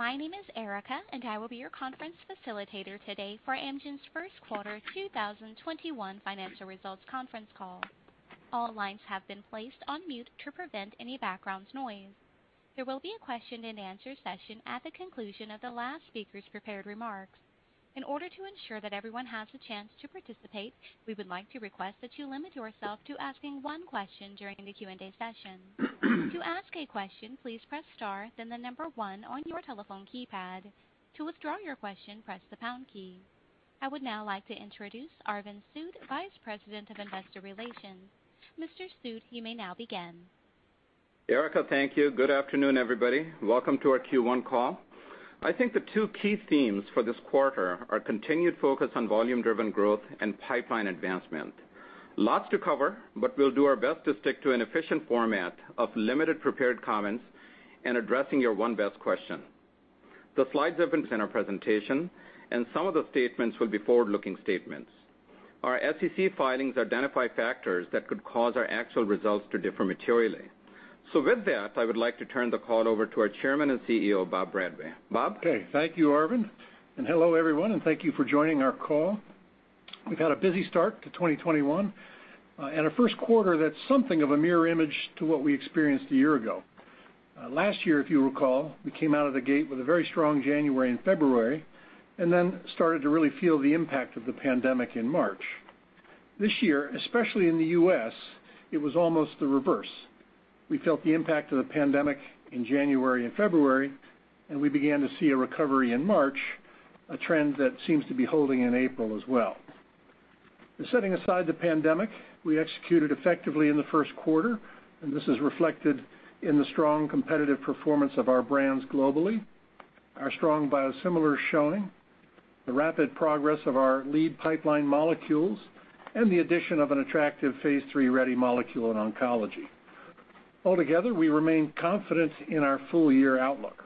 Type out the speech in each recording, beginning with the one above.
My name is Erica, and I will be your conference facilitator today for Amgen's First Quarter 2021 Financial Results Conference Call. All lines have been placed on mute to prevent any background noise. There will be a question and answer session at the conclusion of the last speaker's prepared remarks. In order to ensure that everyone has a chance to participate, we would like to request that you limit yourself to asking one question during the Q&A session. To ask a question, please press star, then the number 1 on your telephone keypad. To withdraw your question, press the pound key. I would now like to introduce Arvind Sood, Vice President of Investor Relations. Mr. Sood, you may now begin. Erica, thank you. Good afternoon, everybody. Welcome to our Q1 call. I think the two key themes for this quarter are continued focus on volume-driven growth and pipeline advancement. Lots to cover, we'll do our best to stick to an efficient format of limited prepared comments and addressing your one best question. The slides have been in our presentation, some of the statements will be forward-looking statements. Our SEC filings identify factors that could cause our actual results to differ materially. With that, I would like to turn the call over to our Chairman and Chief Executive Officer, Bob Bradway. Bob? Okay, thank you, Arvind. Hello, everyone, and thank you for joining our call. We've had a busy start to 2021, a first quarter that's something of a mirror image to what we experienced a year ago. Last year, if you recall, we came out of the gate with a very strong January and February, started to really feel the impact of the pandemic in March. This year, especially in the U.S., it was almost the reverse. We felt the impact of the pandemic in January and February, we began to see a recovery in March, a trend that seems to be holding in April as well. Setting aside the pandemic, we executed effectively in the first quarter, and this is reflected in the strong competitive performance of our brands globally, our strong biosimilar showing, the rapid progress of our lead pipeline molecules, and the addition of an attractive phase III-ready molecule in oncology. Altogether, we remain confident in our full-year outlook.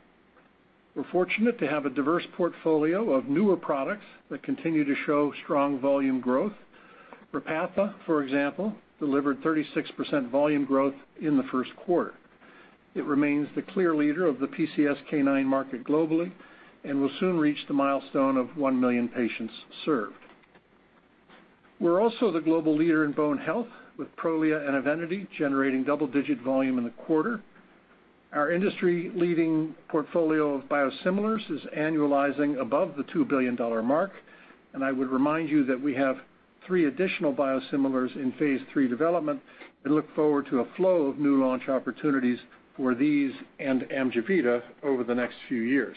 We're fortunate to have a diverse portfolio of newer products that continue to show strong volume growth. Repatha, for example, delivered 36% volume growth in the first quarter. It remains the clear leader of the PCSK9 market globally and will soon reach the milestone of one million patients served. We're also the global leader in bone health, with Prolia and EVENITY generating double-digit volume in the quarter. Our industry-leading portfolio of biosimilars is annualizing above the $2 billion mark, I would remind you that we have three additional biosimilars in phase III development and look forward to a flow of new launch opportunities for these and AMJEVITA over the next few years.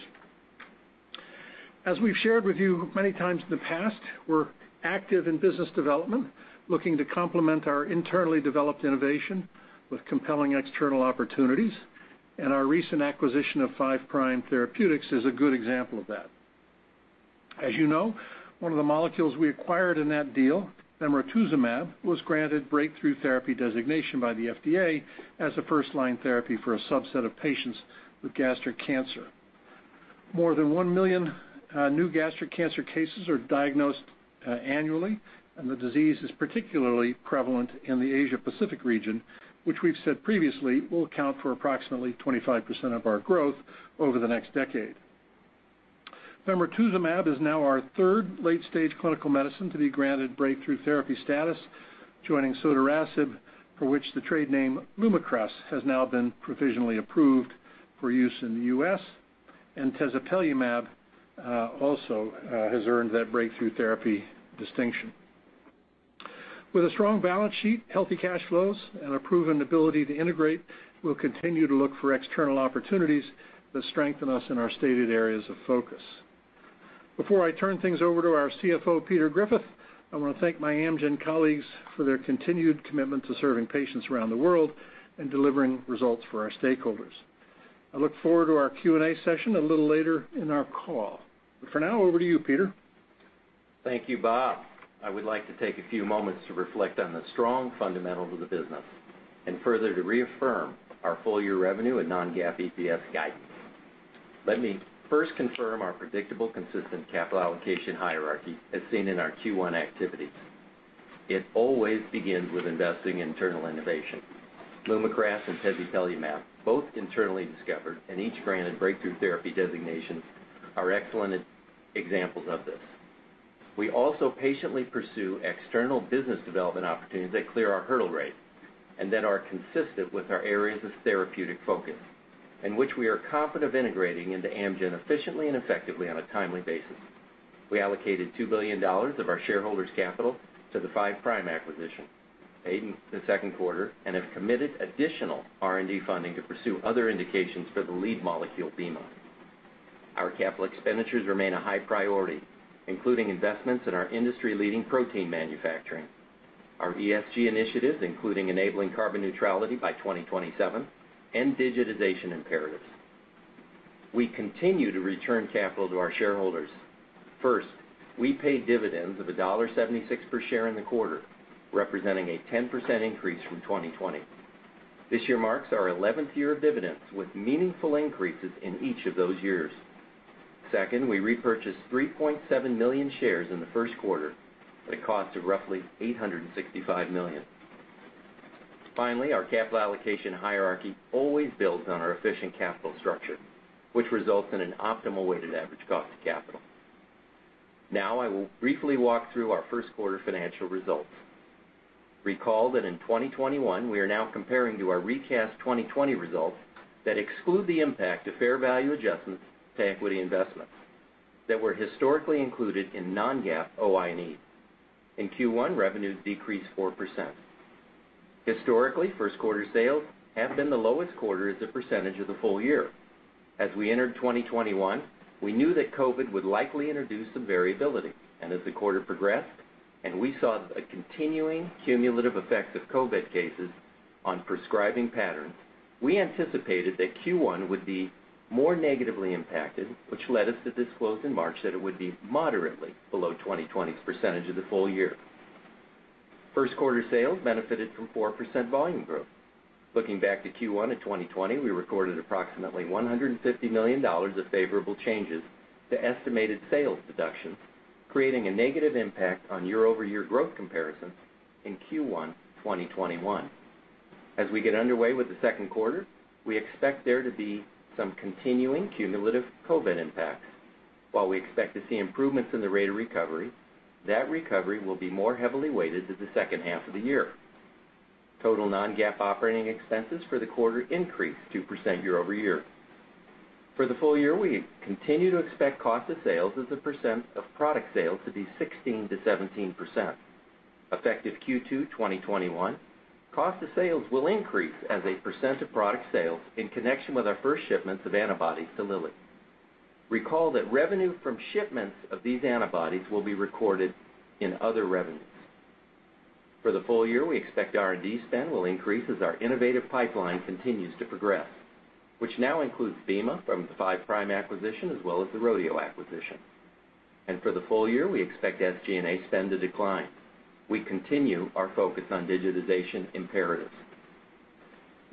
As we've shared with you many times in the past, we're active in business development, looking to complement our internally developed innovation with compelling external opportunities, our recent acquisition of Five Prime Therapeutics is a good example of that. As you know, one of the molecules we acquired in that deal, bemarituzumab, was granted breakthrough therapy designation by the FDA as a first-line therapy for a subset of patients with gastric cancer. More than one million new gastric cancer cases are diagnosed annually, and the disease is particularly prevalent in the Asia-Pacific region, which we've said previously will account for approximately 25% of our growth over the next decade. Bemarituzumab is now our third late-stage clinical medicine to be granted breakthrough therapy status, joining sotorasib, for which the trade name LUMAKRAS has now been provisionally approved for use in the U.S. Tezepelumab also has earned that breakthrough therapy distinction. With a strong balance sheet, healthy cash flows, and a proven ability to integrate, we'll continue to look for external opportunities that strengthen us in our stated areas of focus. Before I turn things over to our Chief Financial Officer, Peter Griffith, I want to thank my Amgen colleagues for their continued commitment to serving patients around the world and delivering results for our stakeholders. I look forward to our Q&A session a little later in our call. For now, over to you, Peter. Thank you, Bob. I would like to take a few moments to reflect on the strong fundamentals of the business and further to reaffirm our full-year revenue and non-GAAP EPS guidance. Let me first confirm our predictable, consistent capital allocation hierarchy as seen in our Q1 activities. It always begins with investing in internal innovation. LUMAKRAS and tezepelumab, both internally discovered and each granted breakthrough therapy designations, are excellent examples of this. We also patiently pursue external business development opportunities that clear our hurdle rates and that are consistent with our areas of therapeutic focus, and which we are confident of integrating into Amgen efficiently and effectively on a timely basis. We allocated $2 billion of our shareholders' capital to the Five Prime acquisition made in the second quarter and have committed additional R&D funding to pursue other indications for the lead molecule bema. Our capital expenditures remain a high priority, including investments in our industry-leading protein manufacturing, our ESG initiatives, including enabling carbon neutrality by 2027, and digitization imperatives. We continue to return capital to our shareholders. First, we paid dividends of $1.76 per share in the quarter, representing a 10% increase from 2020. This year marks our 11th year of dividends, with meaningful increases in each of those years. Second, we repurchased 3.7 million shares in the first quarter at a cost of roughly $865 million. Finally, our capital allocation hierarchy always builds on our efficient capital structure, which results in an optimal weighted average cost of capital. Now, I will briefly walk through our first quarter financial results. Recall that in 2021, we are now comparing to our recast 2020 results that exclude the impact of fair value adjustments to equity investments that were historically included in non-GAAP OI&E. In Q1, revenues decreased 4%. Historically, first quarter sales have been the lowest quarter as a percentage of the full year. As we entered 2021, we knew that COVID would likely introduce some variability, and as the quarter progressed, and we saw a continuing cumulative effect of COVID cases on prescribing patterns, we anticipated that Q1 would be more negatively impacted, which led us to disclose in March that it would be moderately below 2020's percentage of the full year. First quarter sales benefited from 4% volume growth. Looking back to Q1 of 2020, we recorded approximately $150 million of favorable changes to estimated sales deductions, creating a negative impact on year-over-year growth comparisons in Q1 2021. As we get underway with the second quarter, we expect there to be some continuing cumulative COVID impacts. While we expect to see improvements in the rate of recovery, that recovery will be more heavily weighted to the second half of the year. Total non-GAAP operating expenses for the quarter increased 2% year-over-year. For the full year, we continue to expect cost of sales as a percent of product sales to be 16%-17%. Effective Q2 2021, cost of sales will increase as a percent of product sales in connection with our first shipments of antibodies to Lilly. Recall that revenue from shipments of these antibodies will be recorded in other revenues. For the full year, we expect R&D spend will increase as our innovative pipeline continues to progress, which now includes bemarituzumab from the Five Prime acquisition, as well as the Rodeo acquisition. For the full year, we expect SG&A spend to decline. We continue our focus on digitization imperatives.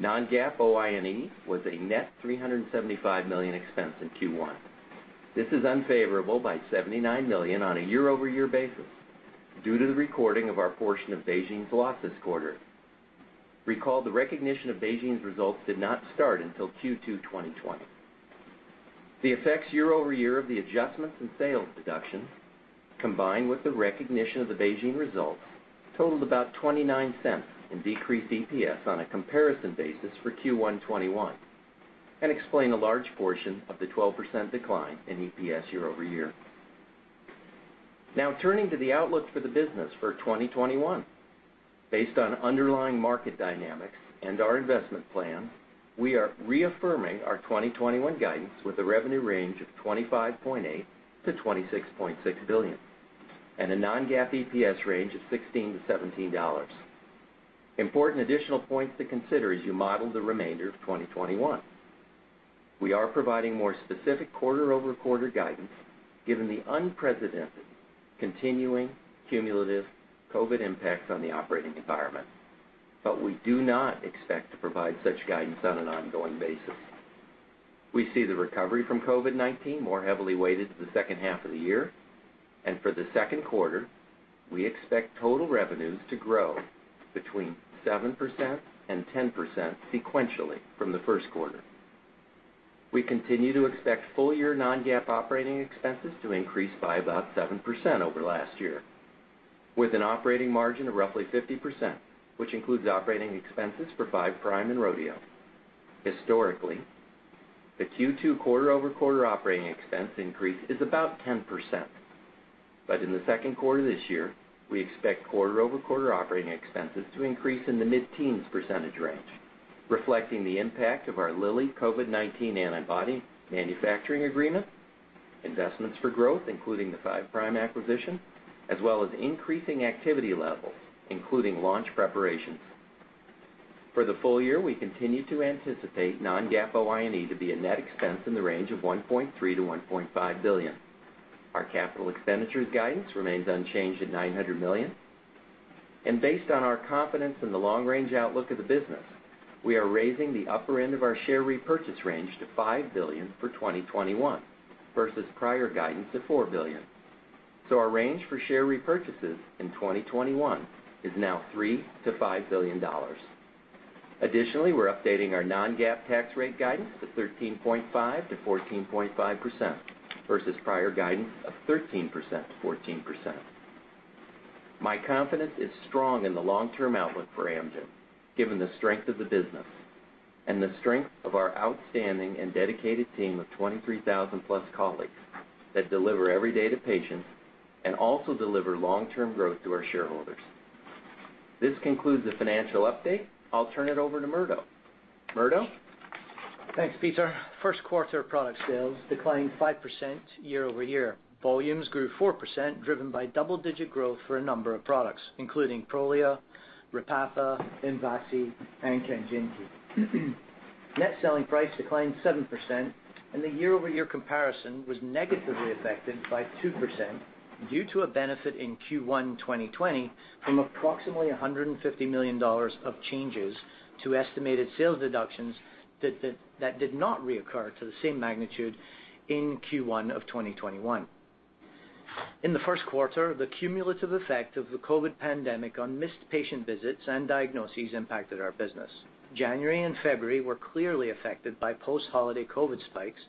Non-GAAP OI&E was a net $375 million expense in Q1. This is unfavorable by $79 million on a year-over-year basis due to the recording of our portion of BeiGene's loss this quarter. Recall, the recognition of BeiGene's results did not start until Q2 2020. The effects year-over-year of the adjustments in sales deductions, combined with the recognition of the BeiGene results, totaled about $0.29 in decreased EPS on a comparison basis for Q1 2021, and explain a large portion of the 12% decline in EPS year-over-year. Turning to the outlook for the business for 2021. Based on underlying market dynamics and our investment plan, we are reaffirming our 2021 guidance with a revenue range of $25.8 billion-$26.6 billion, and a non-GAAP EPS range of $16-$17. Important additional points to consider as you model the remainder of 2021. We are providing more specific quarter-over-quarter guidance given the unprecedented continuing cumulative COVID impacts on the operating environment, but we do not expect to provide such guidance on an ongoing basis. We see the recovery from COVID-19 more heavily weighted to the second half of the year, and for the second quarter, we expect total revenues to grow between 7% and 10% sequentially from the first quarter. We continue to expect full year non-GAAP operating expenses to increase by about 7% over last year, with an operating margin of roughly 50%, which includes operating expenses for Five Prime and Rodeo. Historically, the Q2 quarter-over-quarter operating expense increase is about 10%. In the second quarter this year, we expect quarter-over-quarter operating expenses to increase in the mid-teens percentage range, reflecting the impact of our Lilly COVID-19 antibody manufacturing agreement, investments for growth, including the Five Prime acquisition, as well as increasing activity levels, including launch preparations. For the full year, we continue to anticipate non-GAAP OI&E to be a net expense in the range of $1.3 billion-$1.5 billion. Our capital expenditures guidance remains unchanged at $900 million. Based on our confidence in the long-range outlook of the business, we are raising the upper end of our share repurchase range to $5 billion for 2021, versus prior guidance of $4 billion. Our range for share repurchases in 2021 is now $3 billion-$5 billion. Additionally, we're updating our non-GAAP tax rate guidance to 13.5%-14.5%, versus prior guidance of 13%-14%. My confidence is strong in the long-term outlook for Amgen, given the strength of the business and the strength of our outstanding and dedicated team of 23,000-plus colleagues that deliver every day to patients and also deliver long-term growth to our shareholders. This concludes the financial update. I'll turn it over to Murdo. Murdo? Thanks, Peter. First quarter product sales declined 5% year-over-year. Volumes grew 4%, driven by double-digit growth for a number of products, including Prolia, Repatha, Enbrel, and KANJINTI. Net selling price declined 7%. The year-over-year comparison was negatively affected by 2% due to a benefit in Q1 2020 from approximately $150 million of changes to estimated sales deductions that did not reoccur to the same magnitude in Q1 of 2021. In the first quarter, the cumulative effect of the COVID pandemic on missed patient visits and diagnoses impacted our business. January and February were clearly affected by post-holiday COVID spikes.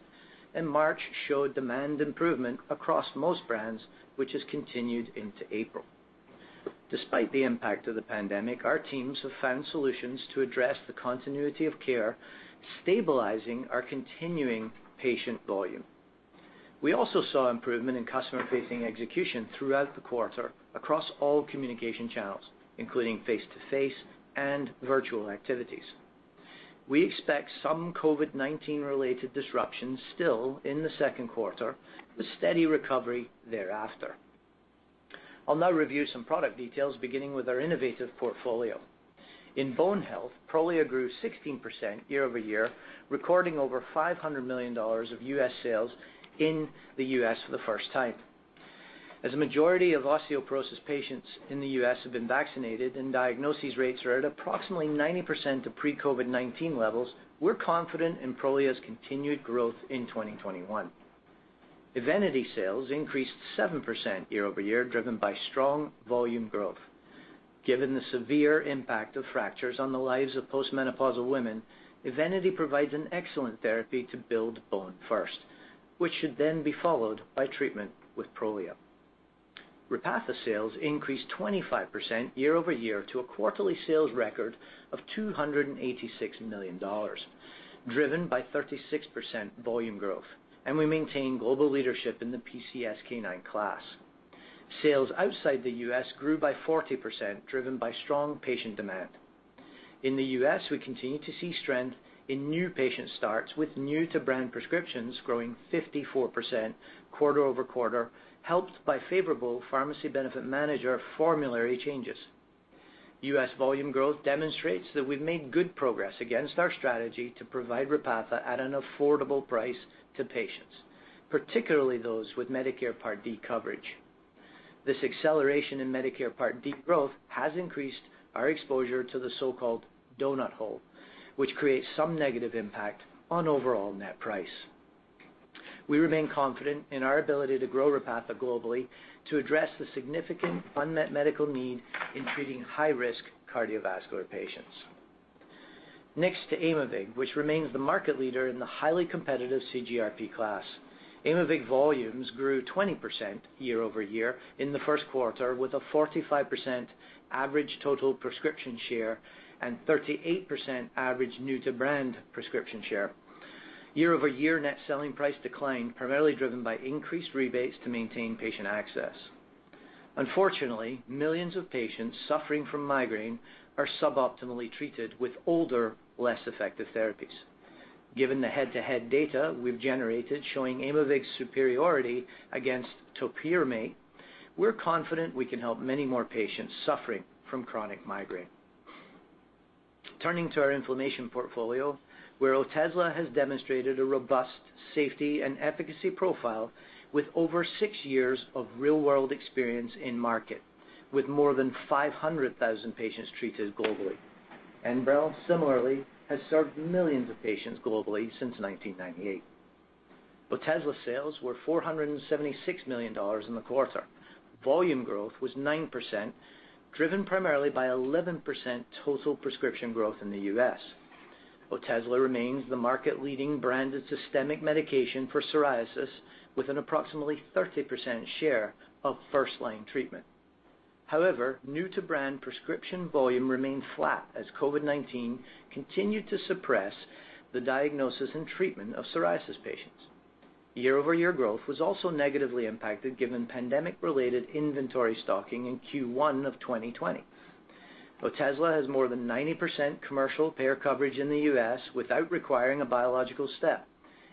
March showed demand improvement across most brands, which has continued into April. Despite the impact of the pandemic, our teams have found solutions to address the continuity of care, stabilizing our continuing patient volume. We also saw improvement in customer-facing execution throughout the quarter across all communication channels, including face-to-face and virtual activities. We expect some COVID-19 related disruptions still in the second quarter, with steady recovery thereafter. I'll now review some product details, beginning with our innovative portfolio. In bone health, Prolia grew 16% year-over-year, recording over $500 million of U.S. sales in the U.S. for the first time. As a majority of osteoporosis patients in the U.S. have been vaccinated and diagnoses rates are at approximately 90% of pre-COVID-19 levels, we're confident in Prolia's continued growth in 2021. EVENITY sales increased 7% year-over-year, driven by strong volume growth. Given the severe impact of fractures on the lives of post-menopausal women, EVENITY provides an excellent therapy to build bone first, which should then be followed by treatment with Prolia. Repatha sales increased 25% year-over-year to a quarterly sales record of $286 million, driven by 36% volume growth. We maintain global leadership in the PCSK9 class. Sales outside the U.S. grew by 40%, driven by strong patient demand. In the U.S., we continue to see strength in new patient starts, with new to brand prescriptions growing 54% quarter-over-quarter, helped by favorable pharmacy benefit manager formulary changes. U.S. volume growth demonstrates that we've made good progress against our strategy to provide Repatha at an affordable price to patients, particularly those with Medicare Part D coverage. This acceleration in Medicare Part D growth has increased our exposure to the so-called donut hole, which creates some negative impact on overall net price. We remain confident in our ability to grow Repatha globally to address the significant unmet medical need in treating high-risk cardiovascular patients. Next to Aimovig, which remains the market leader in the highly competitive CGRP class. Aimovig volumes grew 20% year-over-year in the first quarter, with a 45% average total prescription share and 38% average new to brand prescription share. Year-over-year net selling price declined, primarily driven by increased rebates to maintain patient access. Unfortunately, millions of patients suffering from migraine are sub-optimally treated with older, less effective therapies. Given the head-to-head data we've generated showing Aimovig's superiority against topiramate, we're confident we can help many more patients suffering from chronic migraine. Turning to our inflammation portfolio, where Otezla has demonstrated a robust safety and efficacy profile with over six years of real-world experience in market, with more than 500,000 patients treated globally. Enbrel similarly has served millions of patients globally since 1998. Otezla sales were $476 million in the quarter. Volume growth was 9%, driven primarily by 11% total prescription growth in the U.S. Otezla remains the market leading branded systemic medication for psoriasis, with an approximately 30% share of first line treatment. New to brand prescription volume remained flat as COVID-19 continued to suppress the diagnosis and treatment of psoriasis patients. Year-over-year growth was also negatively impacted given pandemic related inventory stocking in Q1 of 2020. Otezla has more than 90% commercial payer coverage in the U.S. without requiring a biological step,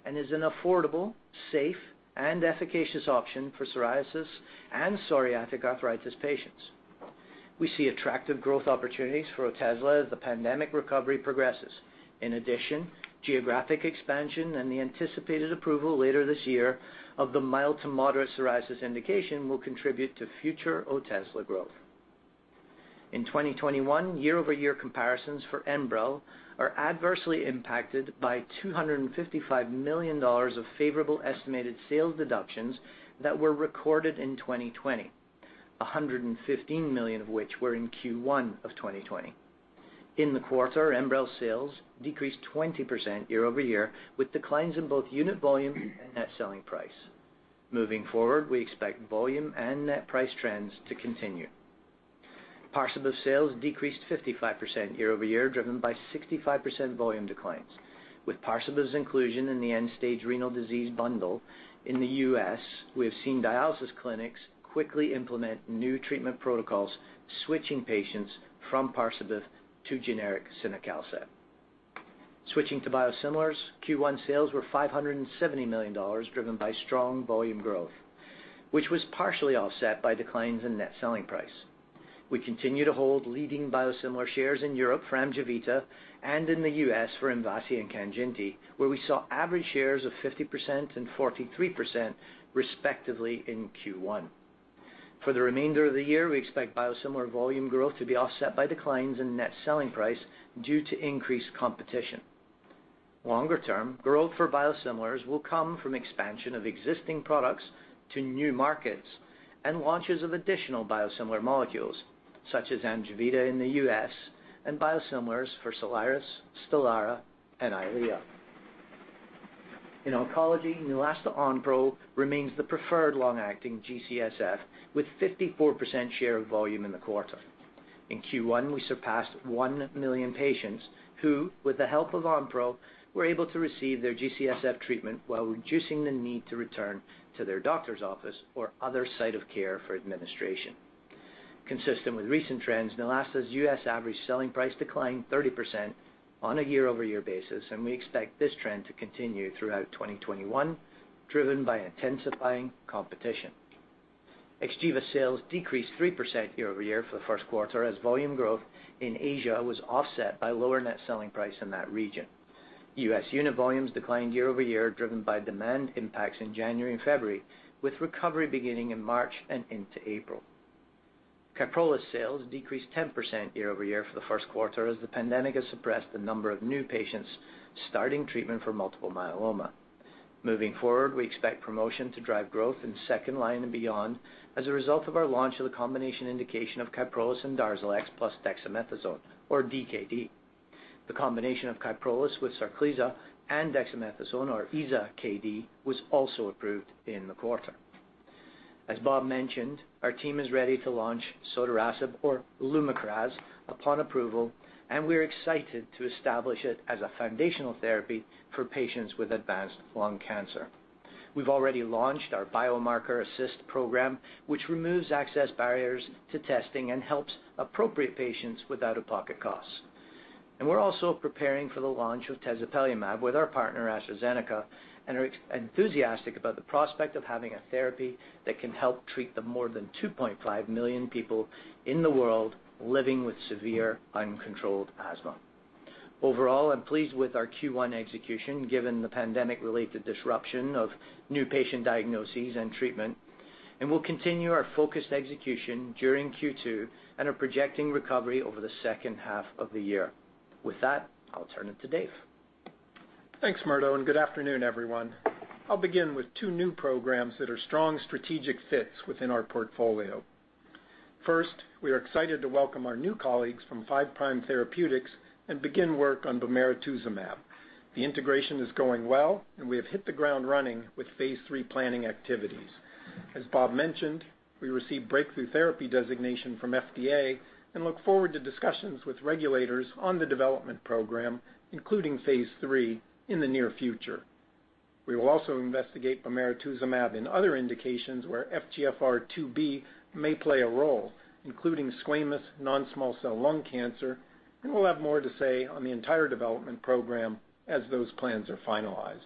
and is an affordable, safe, and efficacious option for psoriasis and psoriatic arthritis patients. We see attractive growth opportunities for Otezla as the pandemic recovery progresses. Geographic expansion and the anticipated approval later this year of the mild to moderate psoriasis indication will contribute to future Otezla growth. In 2021, year-over-year comparisons for Enbrel are adversely impacted by $255 million of favorable estimated sales deductions that were recorded in 2020, $115 million of which were in Q1 of 2020. In the quarter, Enbrel sales decreased 20% year-over-year, with declines in both unit volume and net selling price. Moving forward, we expect volume and net price trends to continue. Parsabiv sales decreased 55% year-over-year, driven by 65% volume declines. With Parsabiv's inclusion in the end-stage renal disease bundle in the U.S., we have seen dialysis clinics quickly implement new treatment protocols, switching patients from Parsabiv to generic cinacalcet. Switching to biosimilars, Q1 sales were $570 million, driven by strong volume growth, which was partially offset by declines in net selling price. We continue to hold leading biosimilar shares in Europe for AMJEVITA and in the U.S. for MVASI and KANJINTI, where we saw average shares of 50% and 43% respectively in Q1. For the remainder of the year, we expect biosimilar volume growth to be offset by declines in net selling price due to increased competition. Longer-term, growth for biosimilars will come from expansion of existing products to new markets and launches of additional biosimilar molecules such as AMJEVITA in the U.S. and biosimilars for SOLIRIS, STELARA, and EYLEA. In oncology, Neulasta Onpro remains the preferred long-acting G-CSF, with 54% share of volume in the quarter. In Q1, we surpassed one million patients who, with the help of Onpro, were able to receive their G-CSF treatment while reducing the need to return to their doctor's office or other site of care for administration. Consistent with recent trends, Neulasta's U.S. average selling price declined 30% on a year-over-year basis. We expect this trend to continue throughout 2021, driven by intensifying competition. XGEVA sales decreased 3% year-over-year for the first quarter as volume growth in Asia was offset by lower net selling price in that region. U.S. unit volumes declined year-over-year, driven by demand impacts in January and February, with recovery beginning in March and into April. KYPROLIS sales decreased 10% year-over-year for the first quarter as the pandemic has suppressed the number of new patients starting treatment for multiple myeloma. Moving forward, we expect promotion to drive growth in second-line and beyond as a result of our launch of the combination indication of KYPROLIS and DARZALEX plus dexamethasone, or DKd. The combination of KYPROLIS with SARCLISA and dexamethasone, or Isa-Kd, was also approved in the quarter. As Bob mentioned, our team is ready to launch sotorasib or LUMAKRAS upon approval, we're excited to establish it as a foundational therapy for patients with advanced lung cancer. We've already launched our Biomarker Assist Program, which removes access barriers to testing and helps appropriate patients without out-of-pocket costs. We're also preparing for the launch of tezepelumab with our partner, AstraZeneca, and are enthusiastic about the prospect of having a therapy that can help treat the more than 2.5 million people in the world living with severe, uncontrolled asthma. Overall, I'm pleased with our Q1 execution given the pandemic-related disruption of new patient diagnoses and treatment. We'll continue our focused execution during Q2 and are projecting recovery over the second half of the year. With that, I'll turn it to Dave. Thanks, Murdo. Good afternoon, everyone. I'll begin with two new programs that are strong strategic fits within our portfolio. First, we are excited to welcome our new colleagues from Five Prime Therapeutics and begin work on bemarituzumab. The integration is going well, and we have hit the ground running with phase III planning activities. As Bob mentioned, we received breakthrough therapy designation from FDA and look forward to discussions with regulators on the development program, including phase III in the near future. We will also investigate bemarituzumab in other indications where FGFR2b may play a role, including squamous non-small cell lung cancer, and we'll have more to say on the entire development program as those plans are finalized.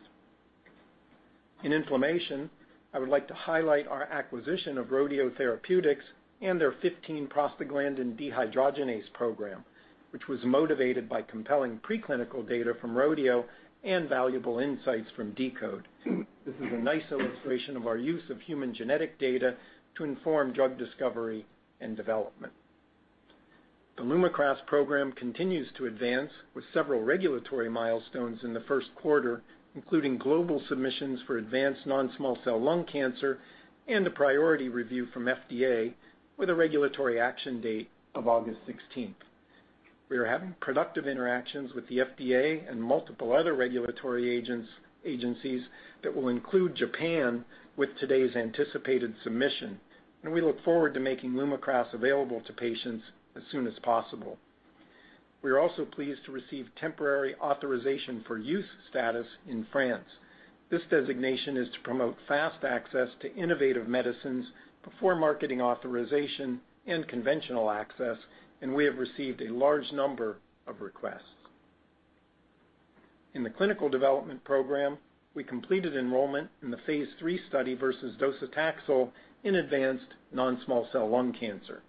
In inflammation, I would like to highlight our acquisition of Rodeo Therapeutics and their 15-PGDH program, which was motivated by compelling preclinical data from Rodeo and valuable insights from deCODE. This is a nice illustration of our use of human genetic data to inform drug discovery and development. The LUMAKRAS program continues to advance with several regulatory milestones in the first quarter, including global submissions for advanced non-small cell lung cancer and a priority review from FDA with a regulatory action date of August 16th. We are having productive interactions with the FDA and multiple other regulatory agencies that will include Japan with today's anticipated submission, and we look forward to making LUMAKRAS available to patients as soon as possible. We are also pleased to receive temporary authorization for use status in France. This designation is to promote fast access to innovative medicines before marketing authorization and conventional access, and we have received a large number of requests. In the clinical development program, we completed enrollment in the phase III study versus docetaxel in advanced non-small cell lung cancer.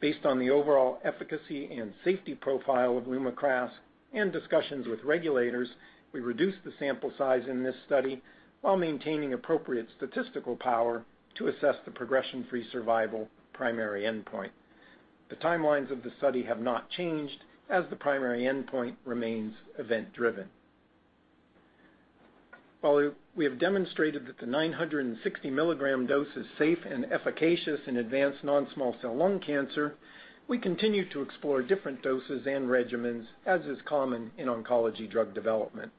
Based on the overall efficacy and safety profile of LUMAKRAS and discussions with regulators, we reduced the sample size in this study while maintaining appropriate statistical power to assess the progression-free survival primary endpoint. The timelines of the study have not changed as the primary endpoint remains event driven. While we have demonstrated that the 960 milligram dose is safe and efficacious in advanced non-small cell lung cancer, we continue to explore different doses and regimens, as is common in oncology drug development.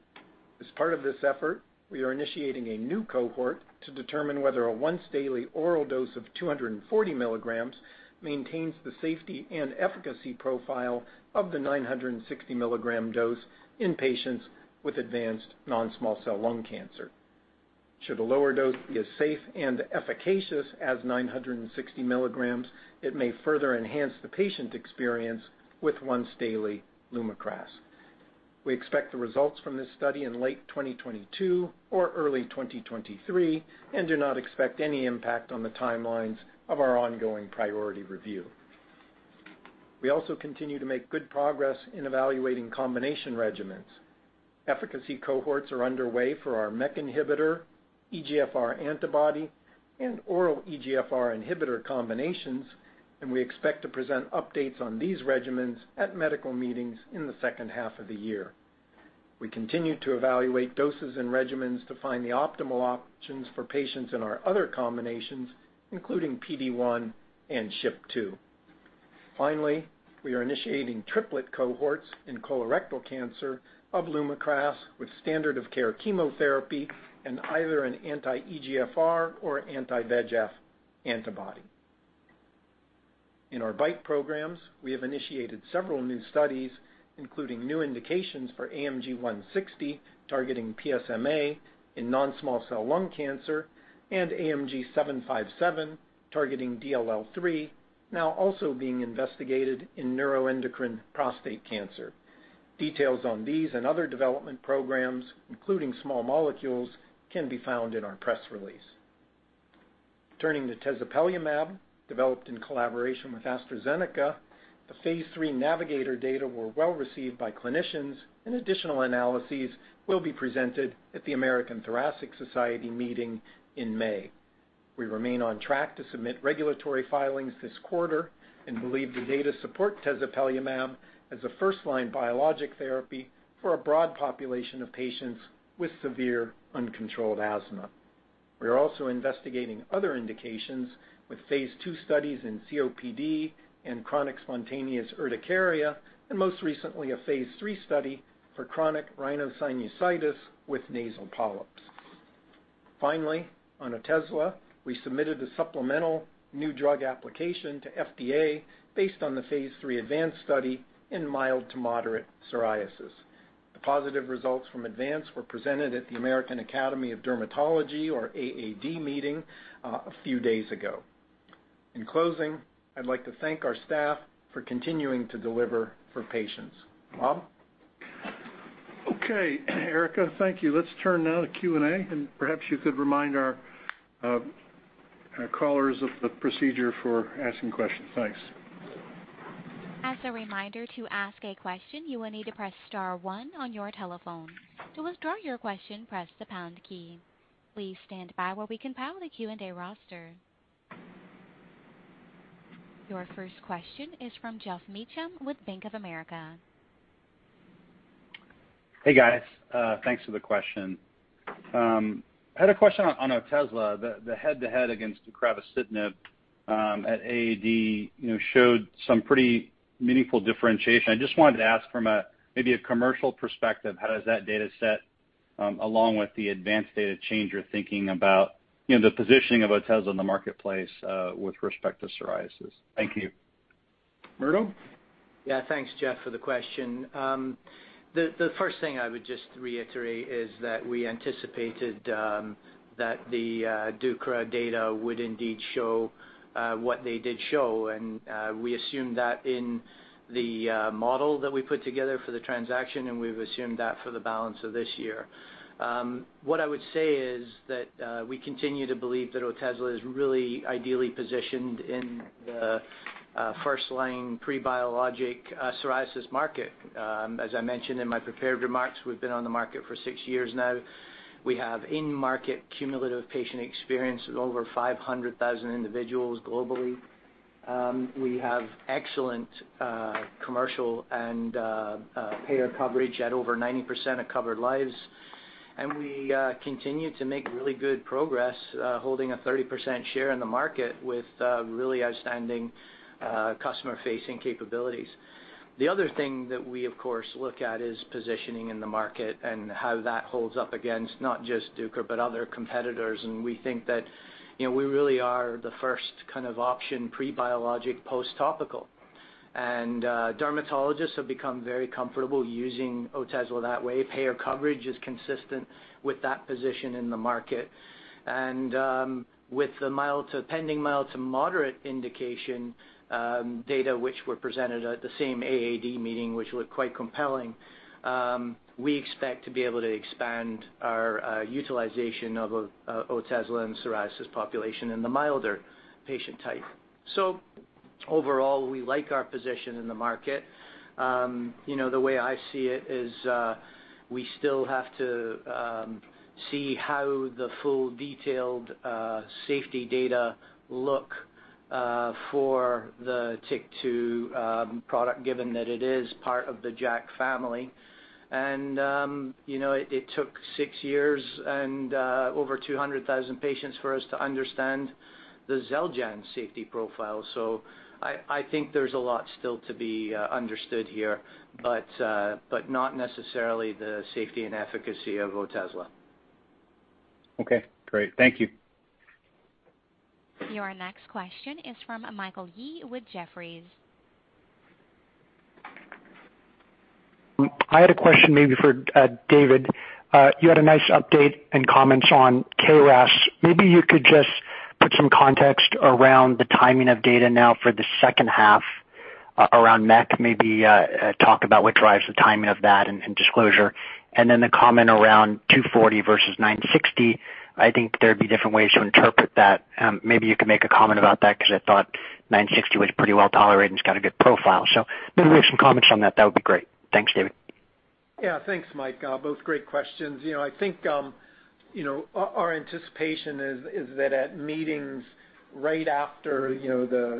As part of this effort, we are initiating a new cohort to determine whether a once-daily oral dose of 240 mg maintains the safety and efficacy profile of the 960 mg dose in patients with advanced non-small cell lung cancer. Should a lower dose be as safe and efficacious as 960 mg, it may further enhance the patient experience with once-daily LUMAKRAS. We expect the results from this study in late 2022 or early 2023 and do not expect any impact on the timelines of our ongoing priority review. We also continue to make good progress in evaluating combination regimens. Efficacy cohorts are underway for our MEK inhibitor, EGFR antibody and oral EGFR inhibitor combinations, and we expect to present updates on these regimens at medical meetings in the second half of the year. We continue to evaluate doses and regimens to find the optimal options for patients in our other combinations, including PD1 and SHP2. Finally, we are initiating triplet cohorts in colorectal cancer of LUMAKRAS, with standard of care chemotherapy and either an anti-EGFR or an anti-VEGF antibody. In our BiTE programs, we have initiated several new studies, including new indications for AMG 160, targeting PSMA in non-small cell lung cancer, and AMG 757, targeting DLL3, now also being investigated in neuroendocrine prostate cancer. Details on these and other development programs, including small molecules, can be found in our press release. Turning to tezepelumab, developed in collaboration with AstraZeneca, the phase III NAVIGATOR data were well-received by clinicians, and additional analyses will be presented at the American Thoracic Society meeting in May. We remain on track to submit regulatory filings this quarter and believe the data support tezepelumab as a first-line biologic therapy for a broad population of patients with severe uncontrolled asthma. We are also investigating other indications with phase II studies in COPD and chronic spontaneous urticaria, and most recently a phase III study for chronic rhinosinusitis with nasal polyps. Finally, on Otezla, we submitted a supplemental new drug application to FDA based on the phase III ADVANCE study in mild to moderate psoriasis. The positive results from ADVANCE were presented at the American Academy of Dermatology, or AAD meeting, a few days ago. In closing, I'd like to thank our staff for continuing to deliver for patients. Bob? Okay, Erica, thank you. Let's turn now to Q&A. Perhaps you could remind our callers of the procedure for asking questions. Thanks. Your first question is from Geoff Meacham with Bank of America. Hey, guys. Thanks for the question. I had a question on Otezla, the head to head against deucravacitinib at AAD showed some pretty meaningful differentiation. I just wanted to ask from maybe a commercial perspective, how does that data set, along with the ADVANCE data change you're thinking about the positioning of Otezla in the marketplace with respect to psoriasis? Thank you. Murdo? Yeah. Thanks, Geoff, for the question. The first thing I would just reiterate is that we anticipated that the deucra data would indeed show what they did show, and we assumed that in the model that we put together for the transaction, and we've assumed that for the balance of this year. What I would say is that we continue to believe that Otezla is really ideally positioned in the first-line pre-biologic psoriasis market. As I mentioned in my prepared remarks, we've been on the market for six years now. We have in-market cumulative patient experience with over 500,000 individuals globally. We have excellent commercial and payer coverage at over 90% of covered lives, and we continue to make really good progress, holding a 30% share in the market with really outstanding customer-facing capabilities. The other thing that we, of course, look at is positioning in the market and how that holds up against not just deucra but other competitors, and we think that we really are the first kind of option pre-biologic, post-topical. Dermatologists have become very comfortable using Otezla that way. Payer coverage is consistent with that position in the market. With the pending mild to moderate indication data, which were presented at the same AAD meeting, which looked quite compelling, we expect to be able to expand our utilization of Otezla in psoriasis population in the milder patient type. Overall, we like our position in the market. The way I see it is we still have to see how the full detailed safety data look for the TYK2 product, given that it is part of the JAK family. It took six years and over 200,000 patients for us to understand the XELJANZ safety profile. I think there's a lot still to be understood here, but not necessarily the safety and efficacy of Otezla. Okay, great. Thank you. Your next question is from Michael Yee with Jefferies. I had a question maybe for David. You had a nice update and comments on KRAS. Maybe you could just put some context around the timing of data now for the second half around MEK, maybe talk about what drives the timing of that and disclosure. The comment around 240 versus 960, I think there'd be different ways to interpret that. Maybe you could make a comment about that because I thought 960 was pretty well tolerated and has got a good profile. Maybe some comments on that. That would be great. Thanks, David. Yeah. Thanks, Mike. Both great questions. I think our anticipation is that at meetings right into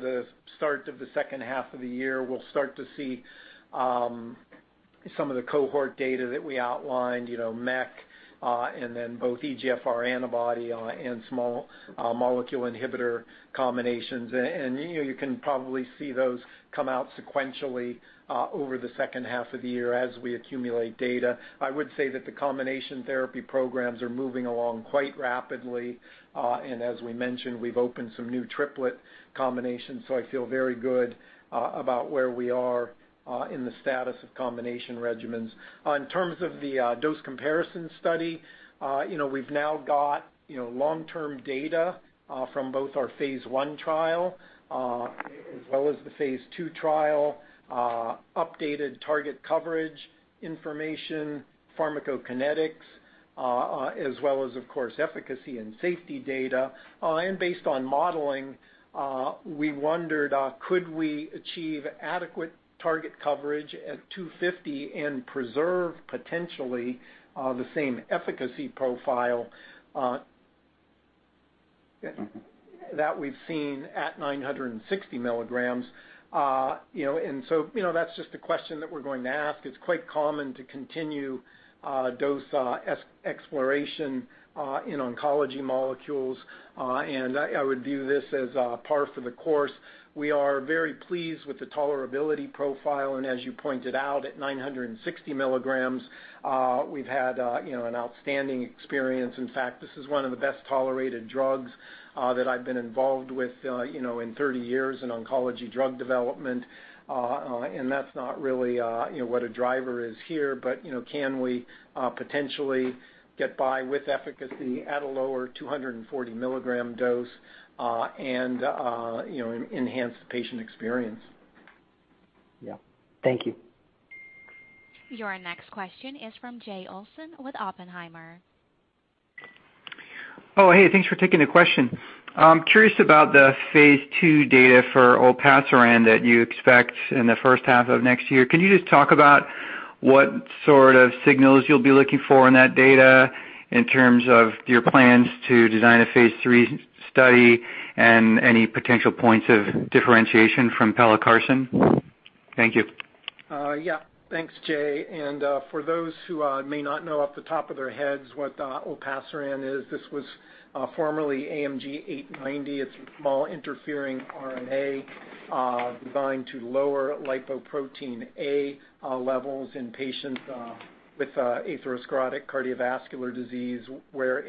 the start of the second half of the year, we'll start to see some of the cohort data that we outlined, MEK, and then both EGFR antibody and small molecule inhibitor combinations. You can probably see those come out sequentially over the second half of the year as we accumulate data. I would say that the combination therapy programs are moving along quite rapidly. As we mentioned, we've opened some new triplet combinations, I feel very good about where we are in the status of combination regimens. In terms of the dose comparison study, we've now got long-term data from both our phase I trial as well as the phase II trial, updated target coverage information, pharmacokinetics, as well as, of course, efficacy and safety data. Based on modeling, we wondered, could we achieve adequate target coverage at 250 mg and preserve, potentially, the same efficacy profile that we've seen at 960 mg? That's just a question that we're going to ask. It's quite common to continue dose exploration in oncology molecules, and I would view this as par for the course. We are very pleased with the tolerability profile, and as you pointed out, at 960 milligrams, we've had an outstanding experience. In fact, this is one of the best-tolerated drugs that I've been involved with in 30 years in oncology drug development. That's not really what a driver is here, but can we potentially get by with efficacy at a lower 240 mg dose and enhance the patient experience? Yeah. Thank you. Your next question is from Jay Olson with Oppenheimer. Oh, hey. Thanks for taking the question. I'm curious about the phase II data for olpasiran that you expect in the first half of next year. Can you just talk about what sort of signals you'll be looking for in that data in terms of your plans to design a phase III study and any potential points of differentiation from pelacarsen? Thank you. Yeah. Thanks, Jay. For those who may not know off the top of their heads what Olpasiran is, this was formerly AMG 890. It's a small interfering RNA designed to lower lipoprotein(a) levels in patients with atherosclerotic cardiovascular disease where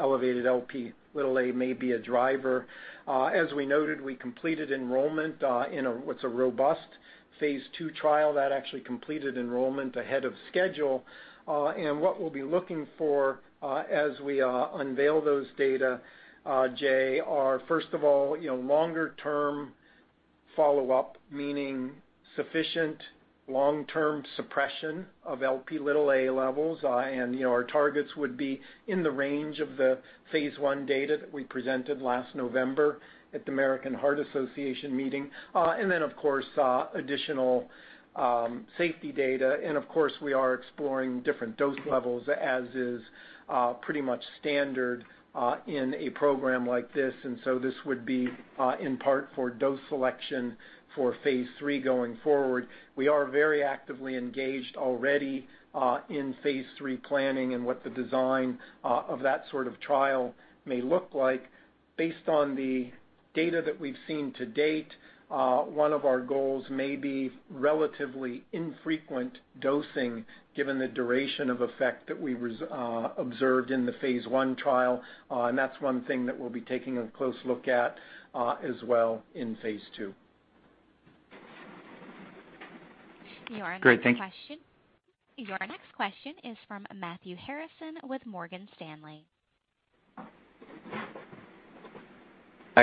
elevated LP little a may be a driver. As we noted, we completed enrollment in what's a robust phase II trial. That actually completed enrollment ahead of schedule. What we'll be looking for as we unveil those data, Jay, are, first of all, longer-term follow-up, meaning sufficient long-term suppression of LP little a levels. Our targets would be in the range of the Phase I data that we presented last November at the American Heart Association meeting. Then, of course, additional safety data. Of course, we are exploring different dose levels, as is pretty much standard in a program like this. This would be in part for dose selection for phase III going forward. We are very actively engaged already in phase III planning and what the design of that sort of trial may look like. Based on the data that we've seen to date, one of our goals may be relatively infrequent dosing given the duration of effect that we observed in the phase I trial. That's one thing that we'll be taking a close look at as well in phase II. Great. Thank you. Your next question is from Matthew Harrison with Morgan Stanley.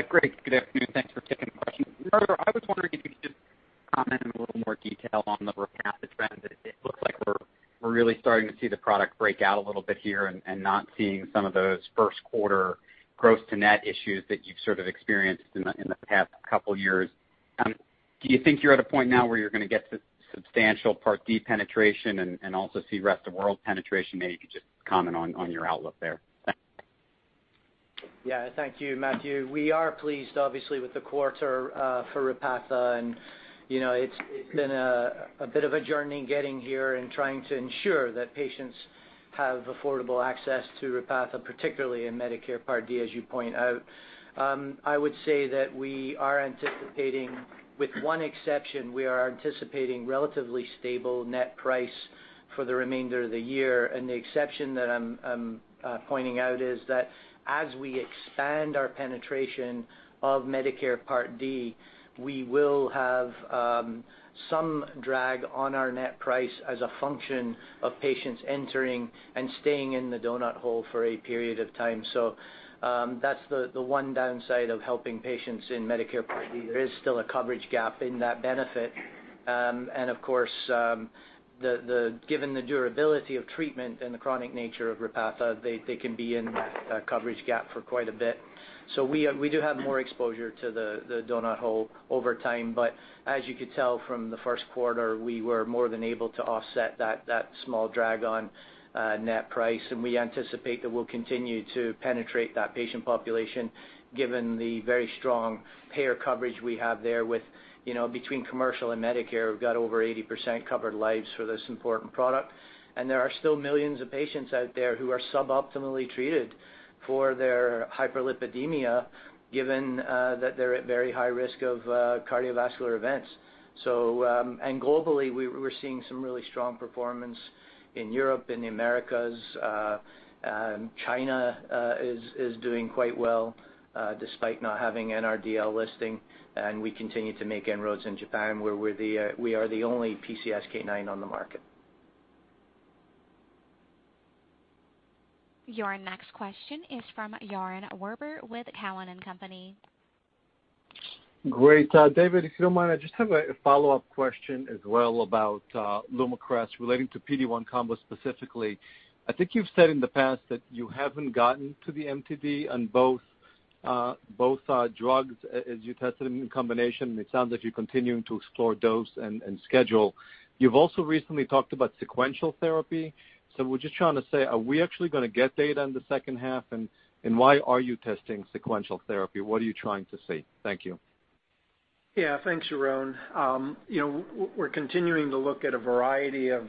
Great. Good afternoon. Thanks for taking the question. Murdo, I was wondering if you could just comment in a little more detail on the Repatha trend, that it looks like we're really starting to see the product break out a little bit here and not seeing some of those first quarter gross to net issues that you've sort of experienced in the past couple years. Do you think you're at a point now where you're going to get substantial Part D penetration and also see rest of world penetration? Maybe you could just comment on your outlook there. Yeah. Thank you, Matthew. We are pleased, obviously, with the quarter for Repatha, and it's been a bit of a journey getting here and trying to ensure that patients have affordable access to Repatha, particularly in Medicare Part D, as you point out. I would say that we are anticipating, with one exception, we are anticipating relatively stable net price. For the remainder of the year, the exception that I'm pointing out is that as we expand our penetration of Medicare Part D, we will have some drag on our net price as a function of patients entering and staying in the donut hole for a period of time. That's the one downside of helping patients in Medicare Part D. There is still a coverage gap in that benefit. Of course, given the durability of treatment and the chronic nature of Repatha, they can be in that coverage gap for quite a bit. We do have more exposure to the donut hole over time, but as you could tell from the first quarter, we were more than able to offset that small drag on net price, and we anticipate that we'll continue to penetrate that patient population, given the very strong payer coverage we have there with, between commercial and Medicare, we've got over 80% covered lives for this important product. There are still millions of patients out there who are sub-optimally treated for their hyperlipidemia, given that they're at very high risk of cardiovascular events. Globally, we're seeing some really strong performance in Europe, in the Americas. China is doing quite well, despite not having an NRDL listing. We continue to make inroads in Japan, where we are the only PCSK9 on the market. Your next question is from Yaron Werber with Cowen and Company. Great. David, if you don't mind, I just have a follow-up question as well about LUMAKRAS relating to PD1 combo specifically. I think you've said in the past that you haven't gotten to the MTD on both drugs as you tested them in combination, and it sounds like you're continuing to explore dose and schedule. You've also recently talked about sequential therapy. I was just trying to say, are we actually going to get data in the second half, and why are you testing sequential therapy? What are you trying to see? Thank you. Yeah, thanks, Yaron. We're continuing to look at a variety of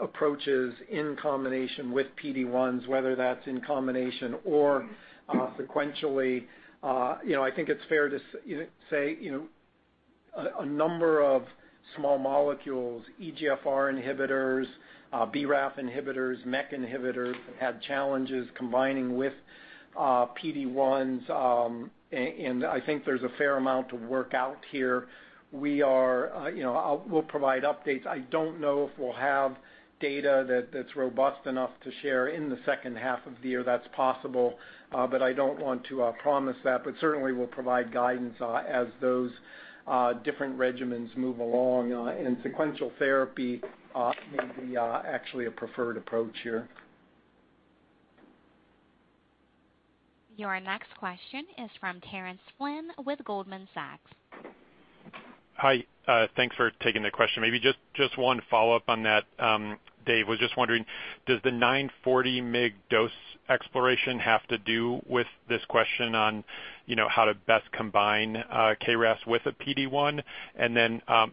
approaches in combination with PD1s, whether that's in combination or sequentially. I think it's fair to say a number of small molecules, EGFR inhibitors, BRAF inhibitors, MEK inhibitors, have had challenges combining with PD1s, and I think there's a fair amount of work out here. We'll provide updates. I don't know if we'll have data that's robust enough to share in the second half of the year. That's possible, but I don't want to promise that. Certainly, we'll provide guidance as those different regimens move along, and sequential therapy may be actually a preferred approach here. Your next question is from Terence Flynn with Goldman Sachs. Hi. Thanks for taking the question. Maybe just one follow-up on that, Dave. Was just wondering, does the 940 mg dose exploration have to do with this question on how to best combine KRAS with a PD1?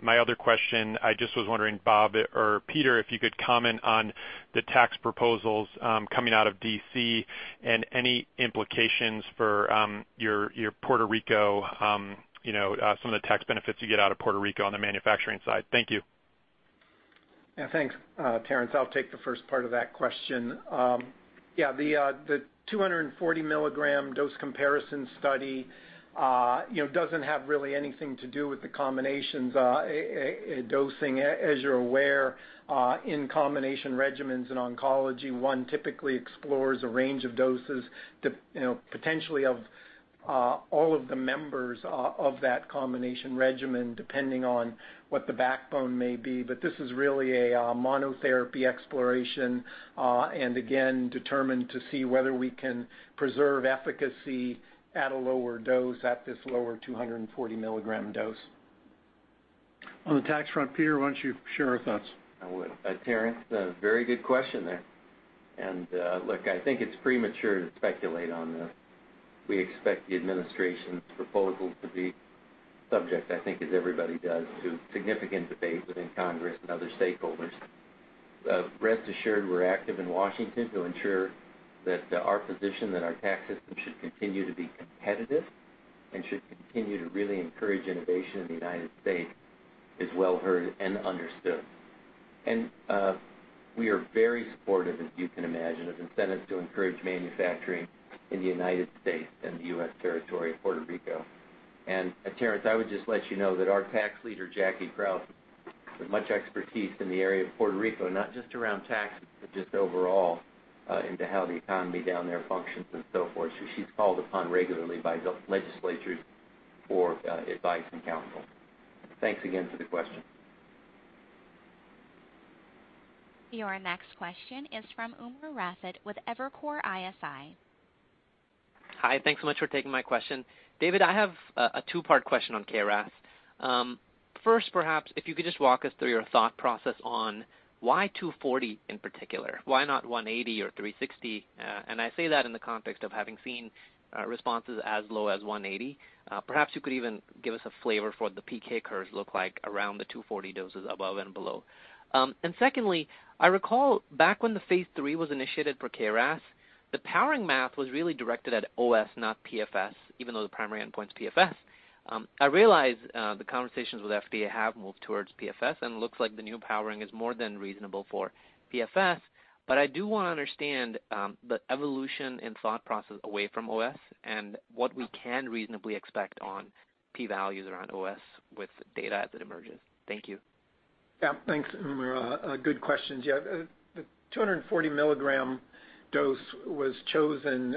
My other question, I just was wondering, Bob or Peter, if you could comment on the tax proposals coming out of D.C. and any implications for some of the tax benefits you get out of Puerto Rico on the manufacturing side. Thank you. Yeah, thanks, Terence. I'll take the first part of that question. Yeah, the 240 mg dose comparison study doesn't have really anything to do with the combinations dosing. As you're aware, in combination regimens in oncology, one typically explores a range of doses, potentially of all of the members of that combination regimen, depending on what the backbone may be. This is really a monotherapy exploration, and again, determined to see whether we can preserve efficacy at a lower dose, at this lower 240 mg dose. On the tax front, Peter, why don't you share our thoughts? I would. Terence, a very good question there. Look, I think it's premature to speculate on this. We expect the administration's proposals to be subject, I think as everybody does, to significant debate within Congress and other stakeholders. Rest assured, we're active in Washington to ensure that our position that our tax system should continue to be competitive and should continue to really encourage innovation in the U.S. is well heard and understood. We are very supportive, as you can imagine, of incentives to encourage manufacturing in the U.S. and the U.S. territory of Puerto Rico. Terence, I would just let you know that our Tax Leader, Jackie Crouse, with much expertise in the area of Puerto Rico, not just around taxes, but just overall into how the economy down there functions and so forth. She's called upon regularly by legislatures for advice and counsel. Thanks again for the question. Your next question is from Umer Raffat with Evercore ISI. Hi. Thanks so much for taking my question. David, I have a two-part question on KRAS. First, perhaps if you could just walk us through your thought process on why 240 in particular? Why not 180 or 360? I say that in the context of having seen responses as low as 180. Perhaps you could even give us a flavor for what the PK curves look like around the 240 doses above and below. Secondly, I recall back when the phase III was initiated for KRAS, the powering math was really directed at OS, not PFS, even though the primary endpoint's PFS. I realize the conversations with FDA have moved towards PFS, and it looks like the new powering is more than reasonable for PFS. I do want to understand the evolution and thought process away from OS and what we can reasonably expect on p-value around OS with data as it emerges. Thank you. Yeah. Thanks, Umer. A good question. The 240 mg dose was chosen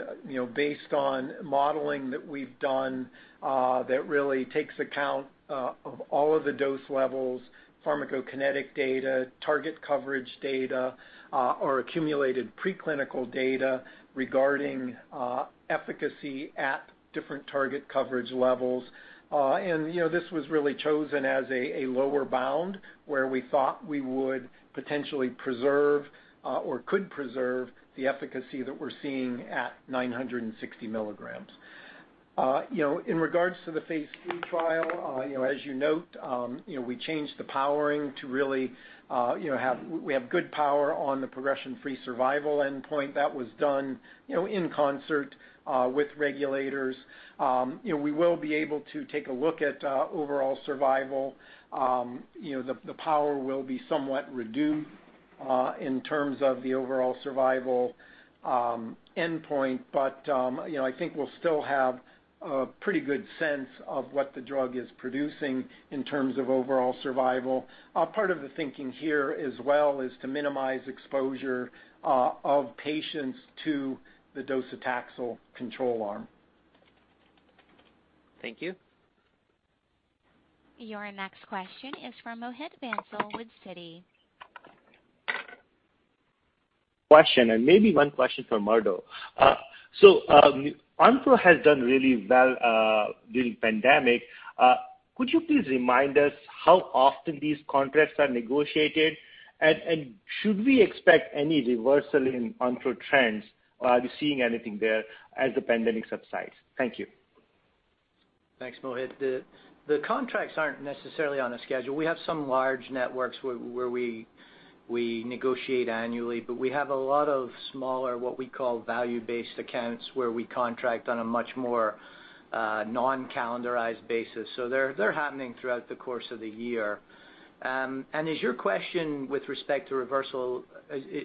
based on modeling that we've done that really takes account of all of the dose levels, pharmacokinetic data, target coverage data, or accumulated preclinical data regarding efficacy at different target coverage levels. This was really chosen as a lower bound where we thought we would potentially preserve or could preserve the efficacy that we're seeing at 960 mg. In regards to the phase III trial, as you note, we changed the powering to really have good power on the progression-free survival endpoint that was done in concert with regulators. We will be able to take a look at overall survival. The power will be somewhat reduced in terms of the overall survival endpoint. I think we'll still have a pretty good sense of what the drug is producing in terms of overall survival. Part of the thinking here as well is to minimize exposure of patients to the docetaxel control arm. Thank you. Your next question is from Mohit Bansal with Citi. Question, maybe one question for Murdo. Onpro has done really well during pandemic. Could you please remind us how often these contracts are negotiated? Should we expect any reversal in Onpro trends, or are you seeing anything there as the pandemic subsides? Thank you. Thanks, Mohit. The contracts aren't necessarily on a schedule. We have some large networks where we negotiate annually, we have a lot of smaller, what we call value-based accounts, where we contract on a much more non-calendarized basis. They're happening throughout the course of the year. Is your question with respect to reversal,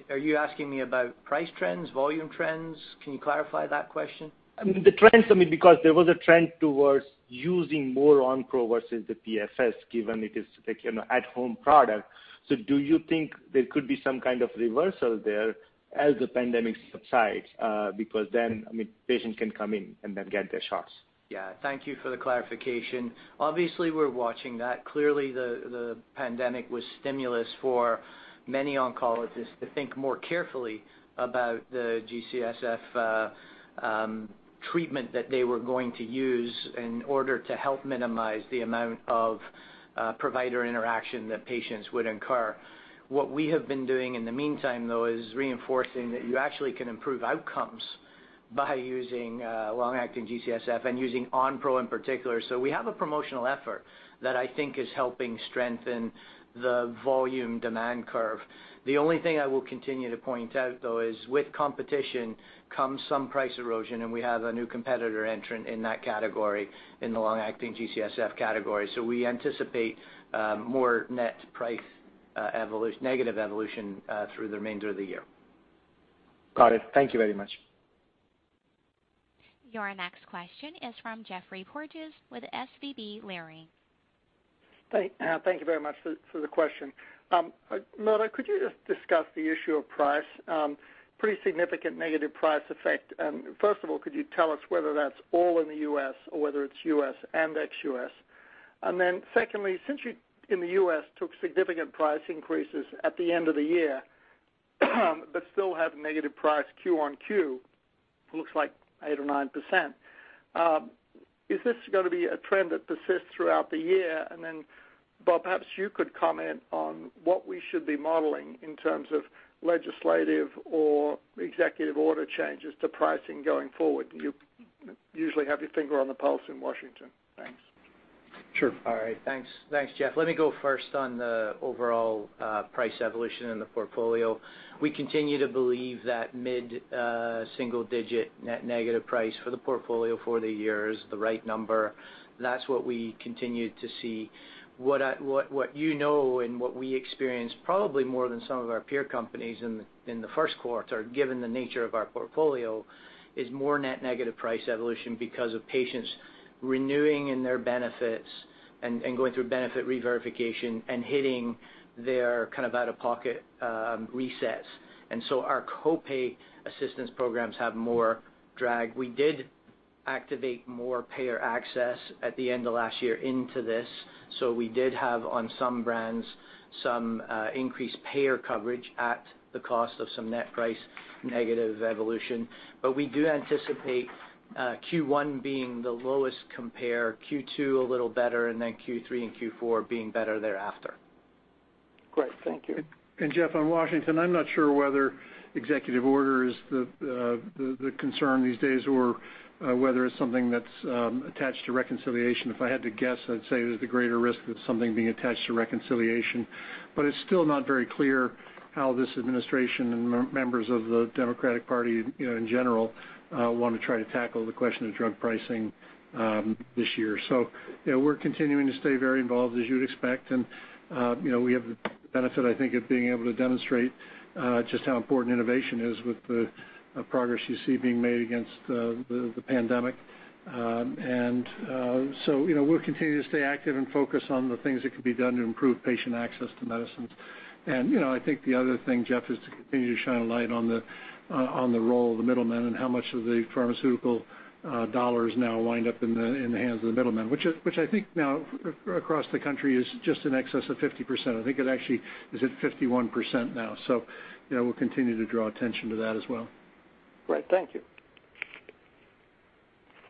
are you asking me about price trends, volume trends? Can you clarify that question? The trends for me, because there was a trend towards using more Onpro versus the PFS, given it is at home product. Do you think there could be some kind of reversal there as the pandemic subsides? Then, patients can come in and then get their shots. Thank you for the clarification. Obviously, we're watching that. Clearly, the pandemic was stimulus for many oncologists to think more carefully about the G-CSF treatment that they were going to use in order to help minimize the amount of provider interaction that patients would incur. What we have been doing in the meantime, though, is reinforcing that you actually can improve outcomes by using long-acting G-CSF and using Onpro in particular. We have a promotional effort that I think is helping strengthen the volume demand curve. The only thing I will continue to point out, though, is with competition comes some price erosion, and we have a new competitor entrant in that category, in the long-acting G-CSF category. We anticipate more net price negative evolution through the remainder of the year. Got it. Thank you very much. Your next question is from Geoffrey Porges with SVB Leerink. Thank you very much for the question. Murdo, could you just discuss the issue of price? Pretty significant negative price effect. First of all, could you tell us whether that's all in the U.S. or whether it's U.S. and ex-U.S.? Secondly, since you in the U.S. took significant price increases at the end of the year but still have negative price Q-on-Q, looks like 8% or 9%. Is this going to be a trend that persists throughout the year? Bob, perhaps you could comment on what we should be modeling in terms of legislative or executive order changes to pricing going forward. You usually have your finger on the pulse in Washington. Thanks. Sure. All right. Thanks, Geoff. Let me go first on the overall price evolution in the portfolio. We continue to believe that mid-single digit net negative price for the portfolio for the year is the right number. That's what we continue to see. What you know and what we experienced probably more than some of our peer companies in the first quarter, given the nature of our portfolio, is more net negative price evolution because of patients renewing in their benefits and going through benefit reverification and hitting their out-of-pocket resets. Our co-pay assistance programs have more drag. We did activate more payer access at the end of last year into this, we did have on some brands, some increased payer coverage at the cost of some net price negative evolution. We do anticipate Q1 being the lowest compare, Q2 a little better, and then Q3 and Q4 being better thereafter. Great. Thank you. Geoff, on Washington, I'm not sure whether executive order is the concern these days or whether it's something that's attached to reconciliation. If I had to guess, I'd say there's the greater risk of something being attached to reconciliation. It's still not very clear how this administration and members of the Democratic Party in general want to try to tackle the question of drug pricing this year. We're continuing to stay very involved, as you'd expect, and we have the benefit, I think, of being able to demonstrate just how important innovation is with the progress you see being made against the pandemic. We'll continue to stay active and focus on the things that can be done to improve patient access to medicines. I think the other thing, Geoff, is to continue to shine a light on the role of the middlemen and how much of the pharmaceutical dollars now wind up in the hands of the middlemen, which I think now across the country is just in excess of 50%. I think it actually is at 51% now. We'll continue to draw attention to that as well. Great. Thank you.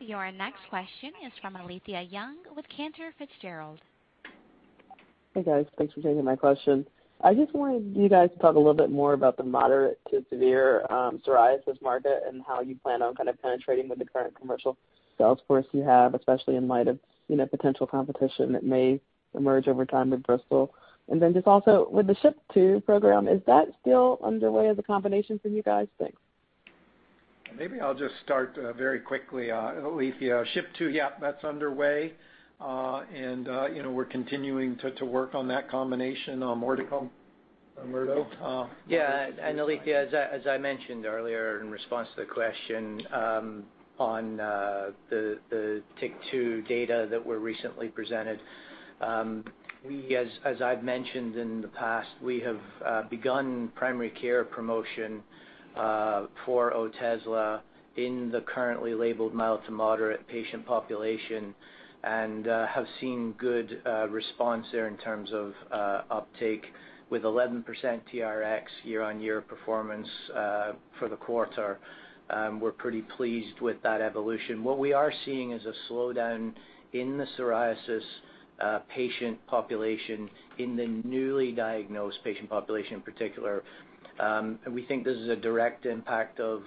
Your next question is from Alethia Young with Cantor Fitzgerald. Hey, guys. Thanks for taking my question. I just wondered, you guys could talk a little bit more about the moderate to severe psoriasis market and how you plan on kind of penetrating with the current commercial sales force you have, especially in light of potential competition that may emerge over time with Bristol. With the SHP2 program, is that still underway as a combination for you guys? Thanks. Maybe I'll just start very quickly, Alethia. SHP2, yeah, that's underway. We're continuing to work on that combination. Murdo? Alethia, as I mentioned earlier in response to the question on the TYK2 data that were recently presented, as I've mentioned in the past, we have begun primary care promotion for Otezla in the currently labeled mild to moderate patient population and have seen good response there in terms of uptake with 11% TRx year-over-year performance for the quarter. We are pretty pleased with that evolution. We are seeing a slowdown in the psoriasis patient population, in the newly diagnosed patient population in particular. We think this is a direct impact of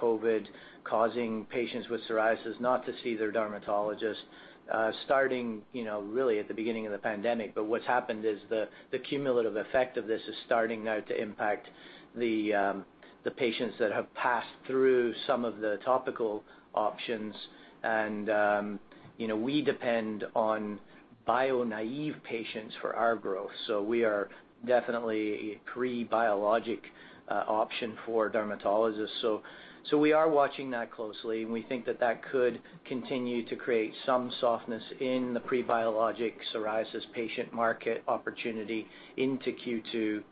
COVID causing patients with psoriasis not to see their dermatologist, starting really at the beginning of the pandemic. What's happened is the cumulative effect of this is starting now to impact the patients that have passed through some of the topical options, and we depend on bio-naive patients for our growth. We are definitely a pre-biologic option for dermatologists. We are watching that closely, and we think that that could continue to create some softness in the pre-biologic psoriasis patient market opportunity into Q2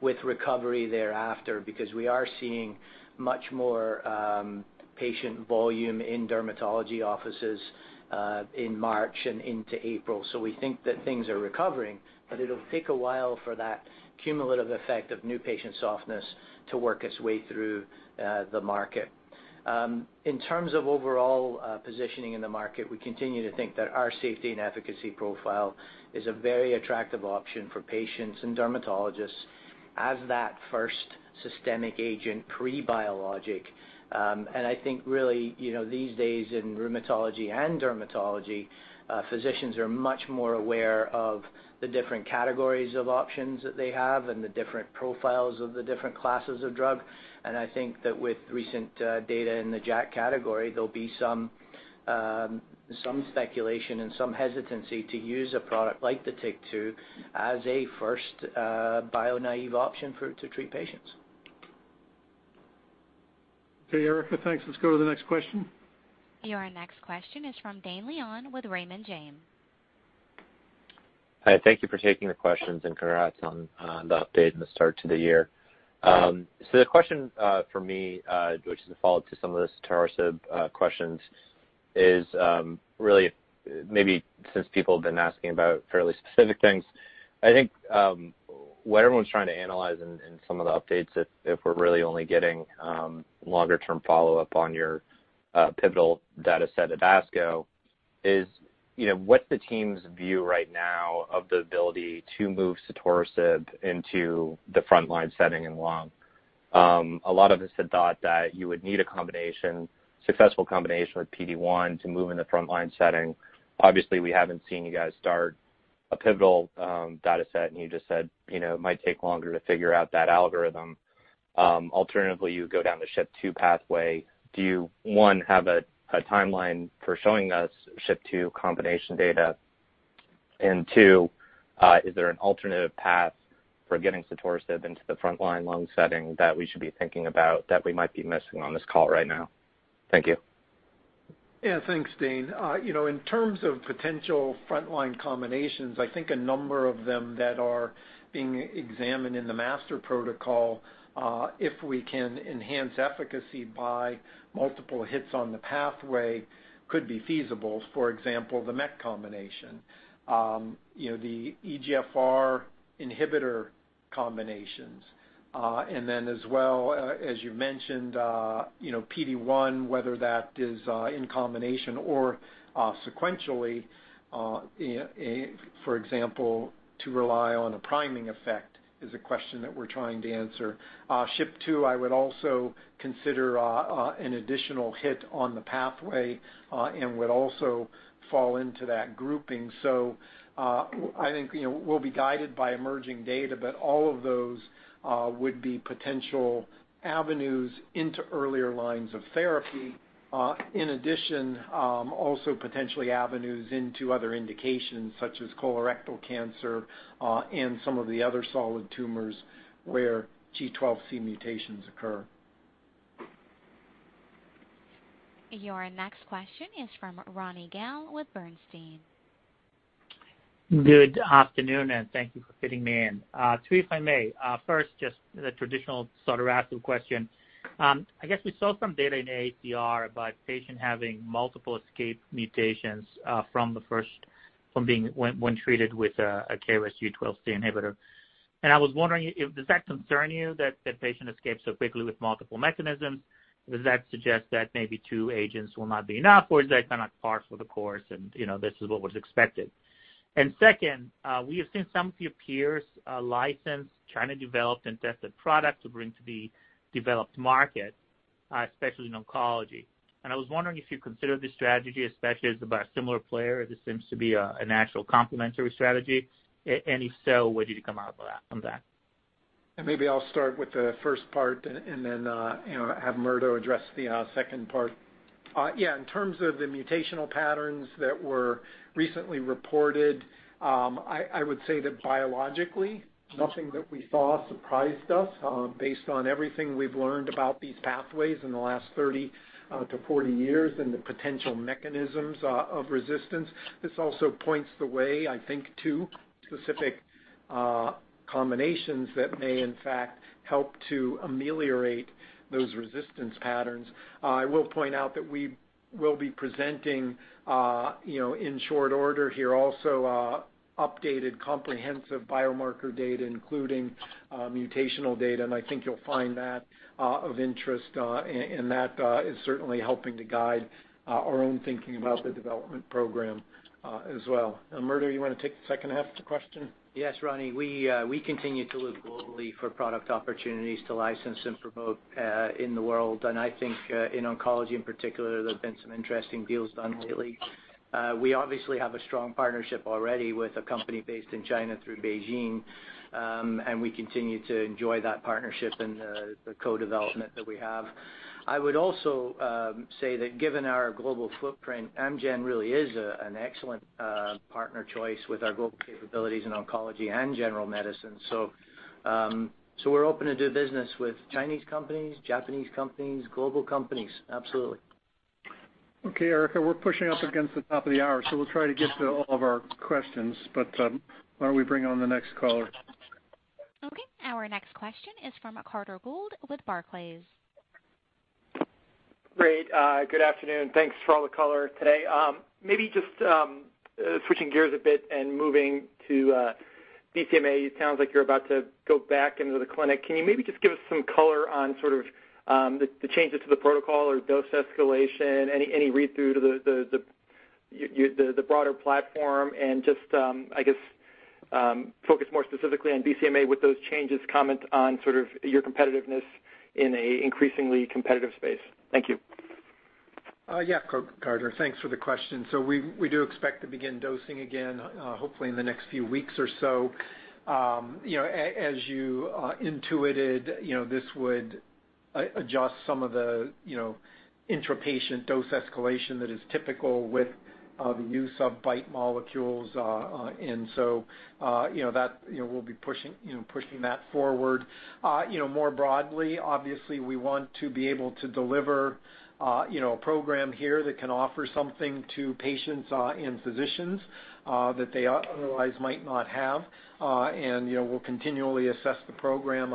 with recovery thereafter, because we are seeing much more patient volume in dermatology offices in March and into April. We think that things are recovering, but it'll take a while for that cumulative effect of new patient softness to work its way through the market. In terms of overall positioning in the market, we continue to think that our safety and efficacy profile is a very attractive option for patients and dermatologists as that first systemic agent pre-biologic. I think really, these days in rheumatology and dermatology, physicians are much more aware of the different categories of options that they have and the different profiles of the different classes of drug, and I think that with recent data in the JAK category, there'll be some speculation and some hesitancy to use a product like the TYK2 as a first bio-naive option to treat patients. Okay, Erica, thanks. Let's go to the next question. Your next question is from Dane Leone with Raymond James. Hi, thank you for taking the questions and congrats on the update and the start to the year. The question for me, which is a follow-up to some of the sotorasib questions, is really maybe since people have been asking about fairly specific things, I think what everyone's trying to analyze in some of the updates, if we're really only getting longer term follow-up on your pivotal data set at ASCO is, what's the team's view right now of the ability to move sotorasib into the frontline setting in lung? A lot of us had thought that you would need a successful combination with PD-1 to move in the frontline setting. Obviously, we haven't seen you guys start a pivotal data set, and you just said it might take longer to figure out that algorithm. Alternatively, you go down the SHP2 pathway. Do you, one, have a timeline for showing us SHP2 combination data? Two, is there an alternative path for getting sotorasib into the frontline lung setting that we should be thinking about that we might be missing on this call right now? Thank you. Thanks, Dane. In terms of potential frontline combinations, I think a number of them that are being examined in the master protocol, if we can enhance efficacy by multiple hits on the pathway, could be feasible. For example, the MEK combination. The EGFR inhibitor combinations, and then as well as you mentioned PD-1, whether that is in combination or sequentially, for example, to rely on a priming effect is a question that we're trying to answer. SHP2, I would also consider an additional hit on the pathway and would also fall into that grouping. I think we'll be guided by emerging data, but all of those would be potential avenues into earlier lines of therapy. In addition, also potentially avenues into other indications such as colorectal cancer, and some of the other solid tumors where G12C mutations occur. Your next question is from Ronny Gal with Bernstein. Good afternoon, thank you for fitting me in. Two, if I may. First, just the traditional sort of ask the question. I guess we saw some data in AACR about patient having multiple escape mutations when treated with a KRAS G12C inhibitor. I was wondering, does that concern you that that patient escaped so quickly with multiple mechanisms? Does that suggest that maybe two agents will not be enough, or is that kind of par for the course, and this is what was expected? Second, we have seen some of your peers license, trying to develop and test a product to bring to the developed market, especially in oncology. I was wondering if you considered this strategy, especially as about a similar player, this seems to be a natural complementary strategy. If so, where did you come out from that? Maybe I'll start with the first part and then have Murdo address the second part. Yeah, in terms of the mutational patterns that were recently reported, I would say that biologically, nothing that we saw surprised us, based on everything we've learned about these pathways in the last 30-40 years and the potential mechanisms of resistance. This also points the way, I think, to specific combinations that may, in fact, help to ameliorate those resistance patterns. I will point out that we will be presenting in short order here also updated comprehensive biomarker data, including mutational data, and I think you'll find that of interest, and that is certainly helping to guide our own thinking about the development program as well. Murdo, you want to take the second half of the question? Yes, Ronny. We continue to look globally for product opportunities to license and promote in the world. I think in oncology in particular, there's been some interesting deals done lately. We obviously have a strong partnership already with a company based in China through BeiGene, and we continue to enjoy that partnership and the co-development that we have. I would also say that given our global footprint, Amgen really is an excellent partner choice with our global capabilities in oncology and general medicine. We're open to do business with Chinese companies, Japanese companies, global companies. Absolutely. Okay, Erica, we're pushing up against the top of the hour, so we'll try to get to all of our questions, but why don't we bring on the next caller? Okay. Our next question is from Carter Gould with Barclays. Great. Good afternoon. Thanks for all the color today. Maybe just switching gears a bit and moving to BCMA, it sounds like you're about to go back into the clinic. Can you maybe just give us some color on sort of the changes to the protocol or dose escalation? Any read-through to the broader platform and just focus more specifically on BCMA with those changes, comment on sort of your competitiveness in an increasingly competitive space? Thank you. Yeah, Carter. Thanks for the question. We do expect to begin dosing again, hopefully in the next few weeks or so. As you intuited, this would adjust some of the intra-patient dose escalation that is typical with the use of BiTE molecules. We'll be pushing that forward. More broadly, obviously, we want to be able to deliver a program here that can offer something to patients and physicians that they otherwise might not have. We'll continually assess the program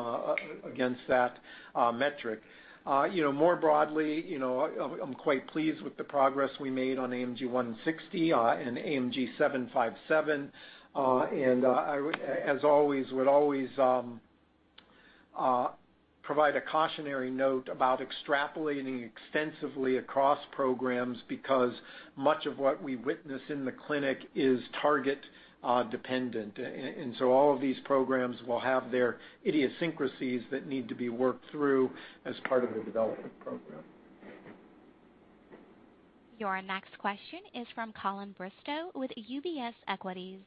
against that metric. More broadly, I'm quite pleased with the progress we made on AMG 160 and AMG 757. As always, would always provide a cautionary note about extrapolating extensively across programs because much of what we witness in the clinic is target dependent. All of these programs will have their idiosyncrasies that need to be worked through as part of the development program. Your next question is from Colin Bristow with UBS Equities.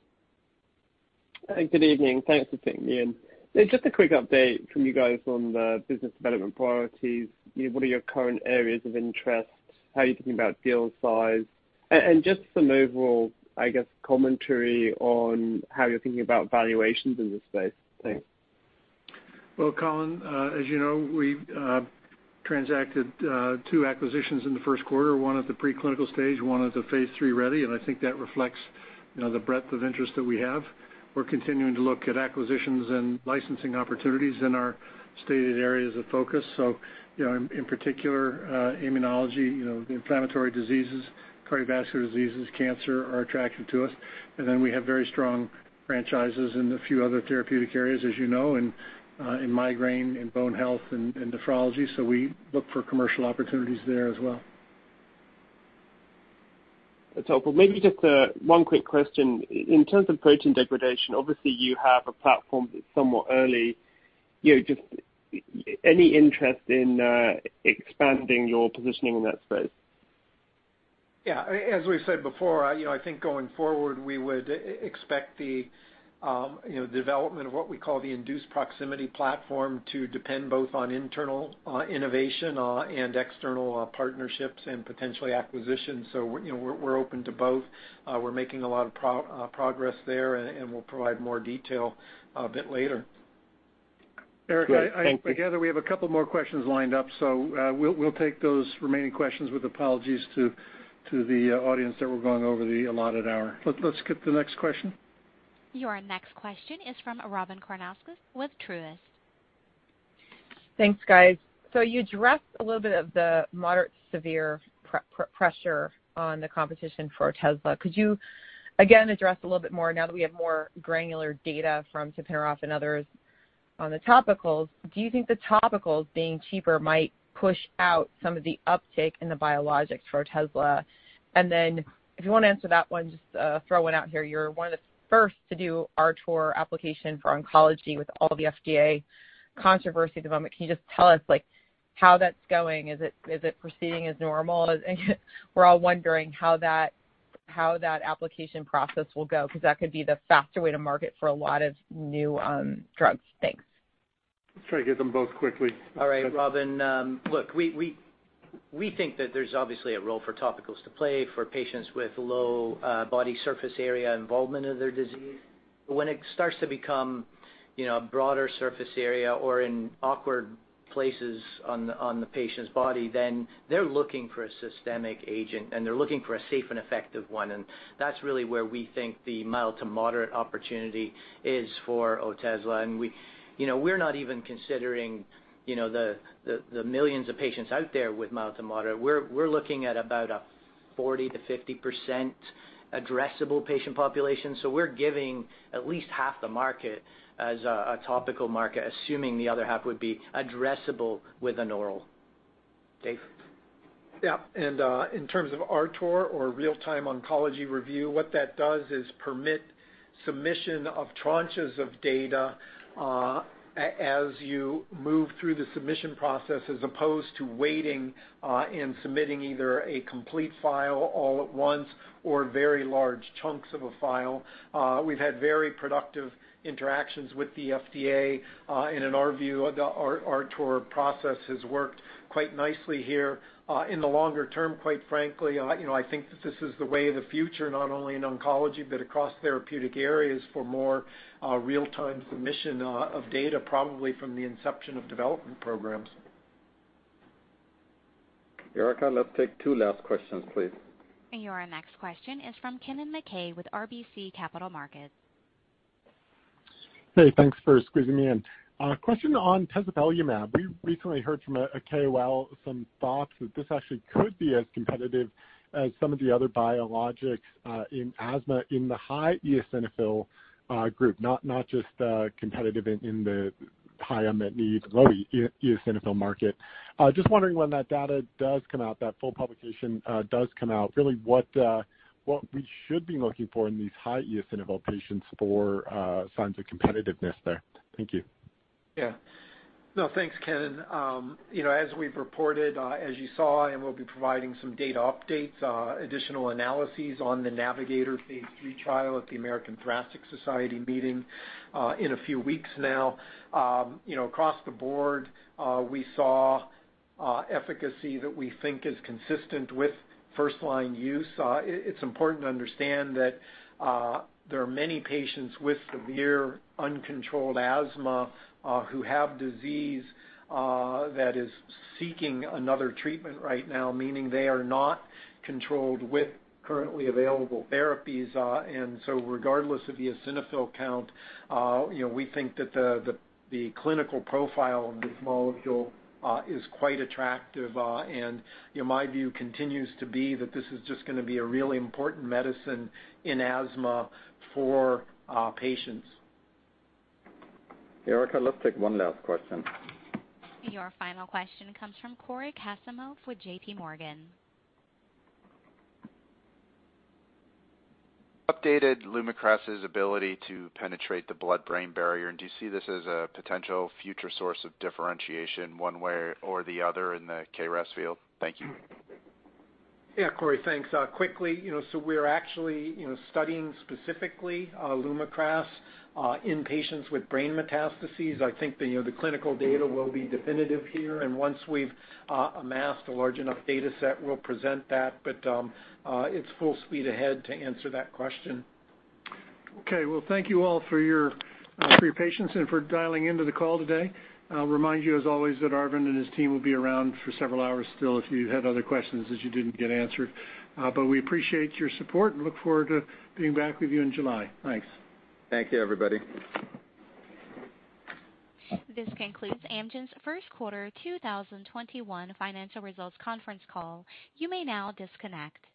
Good evening. Thanks for fitting me in. Just a quick update from you guys on the business development priorities. What are your current areas of interest? How are you thinking about deal size? Just some overall, I guess, commentary on how you're thinking about valuations in this space. Thanks. Well, Colin, as you know, we transacted two acquisitions in the first quarter, one at the pre-clinical stage, one at the phase III-ready, and I think that reflects the breadth of interest that we have. We're continuing to look at acquisitions and licensing opportunities in our stated areas of focus. In particular, immunology, the inflammatory diseases, cardiovascular diseases, cancer are attractive to us. We have very strong franchises in a few other therapeutic areas, as you know, in migraine, in bone health, and nephrology. We look for commercial opportunities there as well. That's helpful. Maybe just one quick question. In terms of protein degradation, obviously you have a platform that's somewhat early. Just any interest in expanding your positioning in that space? Yeah. As we've said before, I think going forward, we would expect the development of what we call the Induced Proximity Platform to depend both on internal innovation and external partnerships and potentially acquisitions. We're open to both. We're making a lot of progress there, and we'll provide more detail a bit later. Erica, I gather we have a couple more questions lined up, so we'll take those remaining questions with apologies to the audience that we're going over the allotted hour. Let's skip to the next question. Your next question is from Robyn Karnauskas with Truist. Thanks, guys. You addressed a little bit of the moderate-severe pressure on the competition for Otezla. Could you again address a little bit more now that we have more granular data from tapinarof and others on the topicals? Do you think the topicals being cheaper might push out some of the uptick in the biologics for Otezla? If you want to answer that one, just throw one out here, you're one of the first to do RTOR application for oncology with all the FDA controversy at the moment. Can you just tell us how that's going? Is it proceeding as normal? We're all wondering how that application process will go, because that could be the faster way to market for a lot of new drugs. Thanks. Let's try to get them both quickly. All right. Robyn, look, we think that there's obviously a role for topicals to play for patients with low body surface area involvement of their disease. When it starts to become a broader surface area or in awkward places on the patient's body, then they're looking for a systemic agent, and they're looking for a safe and effective one. That's really where we think the mild to moderate opportunity is for Otezla. We're not even considering the millions of patients out there with mild to moderate. We're looking at about a 40%-50% addressable patient population. We're giving at least half the market as a topical market, assuming the other half would be addressable with an oral. Dave? Yeah. In terms of RTOR or Real-Time Oncology Review, what that does is permit submission of tranches of data as you move through the submission process, as opposed to waiting and submitting either a complete file all at once or very large chunks of a file. We've had very productive interactions with the FDA. In our view, the RTOR process has worked quite nicely here. In the longer term, quite frankly, I think that this is the way of the future, not only in oncology, but across therapeutic areas for more real-time submission of data, probably from the inception of development programs. Erica, let's take two last questions, please. Your next question is from Kennen MacKay with RBC Capital Markets. Hey, thanks for squeezing me in. A question on tezepelumab. We recently heard from a KOL some thoughts that this actually could be as competitive as some of the other biologics in asthma in the high eosinophil group, not just competitive in the high unmet needs, low eosinophil market. Just wondering when that data does come out, that full publication does come out, really what we should be looking for in these high eosinophil patients for signs of competitiveness there. Thank you. Yeah. No, thanks, Ken. As we've reported, as you saw, and we'll be providing some data updates, additional analyses on the NAVIGATOR phase III trial at the American Thoracic Society meeting in a few weeks now. Across the board, we saw efficacy that we think is consistent with first-line use. It's important to understand that there are many patients with severe uncontrolled asthma who have disease that is seeking another treatment right now, meaning they are not controlled with currently available therapies. Regardless of the eosinophil count, we think that the clinical profile of this molecule is quite attractive. My view continues to be that this is just going to be a really important medicine in asthma for our patients. Erica, let's take one last question. Your final question comes from Cory Kasimov with JPMorgan. Updated LUMAKRAS' ability to penetrate the blood-brain barrier? Do you see this as a potential future source of differentiation one way or the other in the KRAS field? Thank you. Yeah, Cory. Thanks. Quickly, we're actually studying specifically LUMAKRAS in patients with brain metastases. I think the clinical data will be definitive here, and once we've amassed a large enough data set, we'll present that, but it's full speed ahead to answer that question. Okay. Well, thank you all for your patience and for dialing into the call today. I'll remind you, as always, that Arvind and his team will be around for several hours still if you have other questions that you didn't get answered. We appreciate your support and look forward to being back with you in July. Thanks. Thank you, everybody. This concludes Amgen's First Quarter 2021 Financial Results Conference Call. You may now disconnect.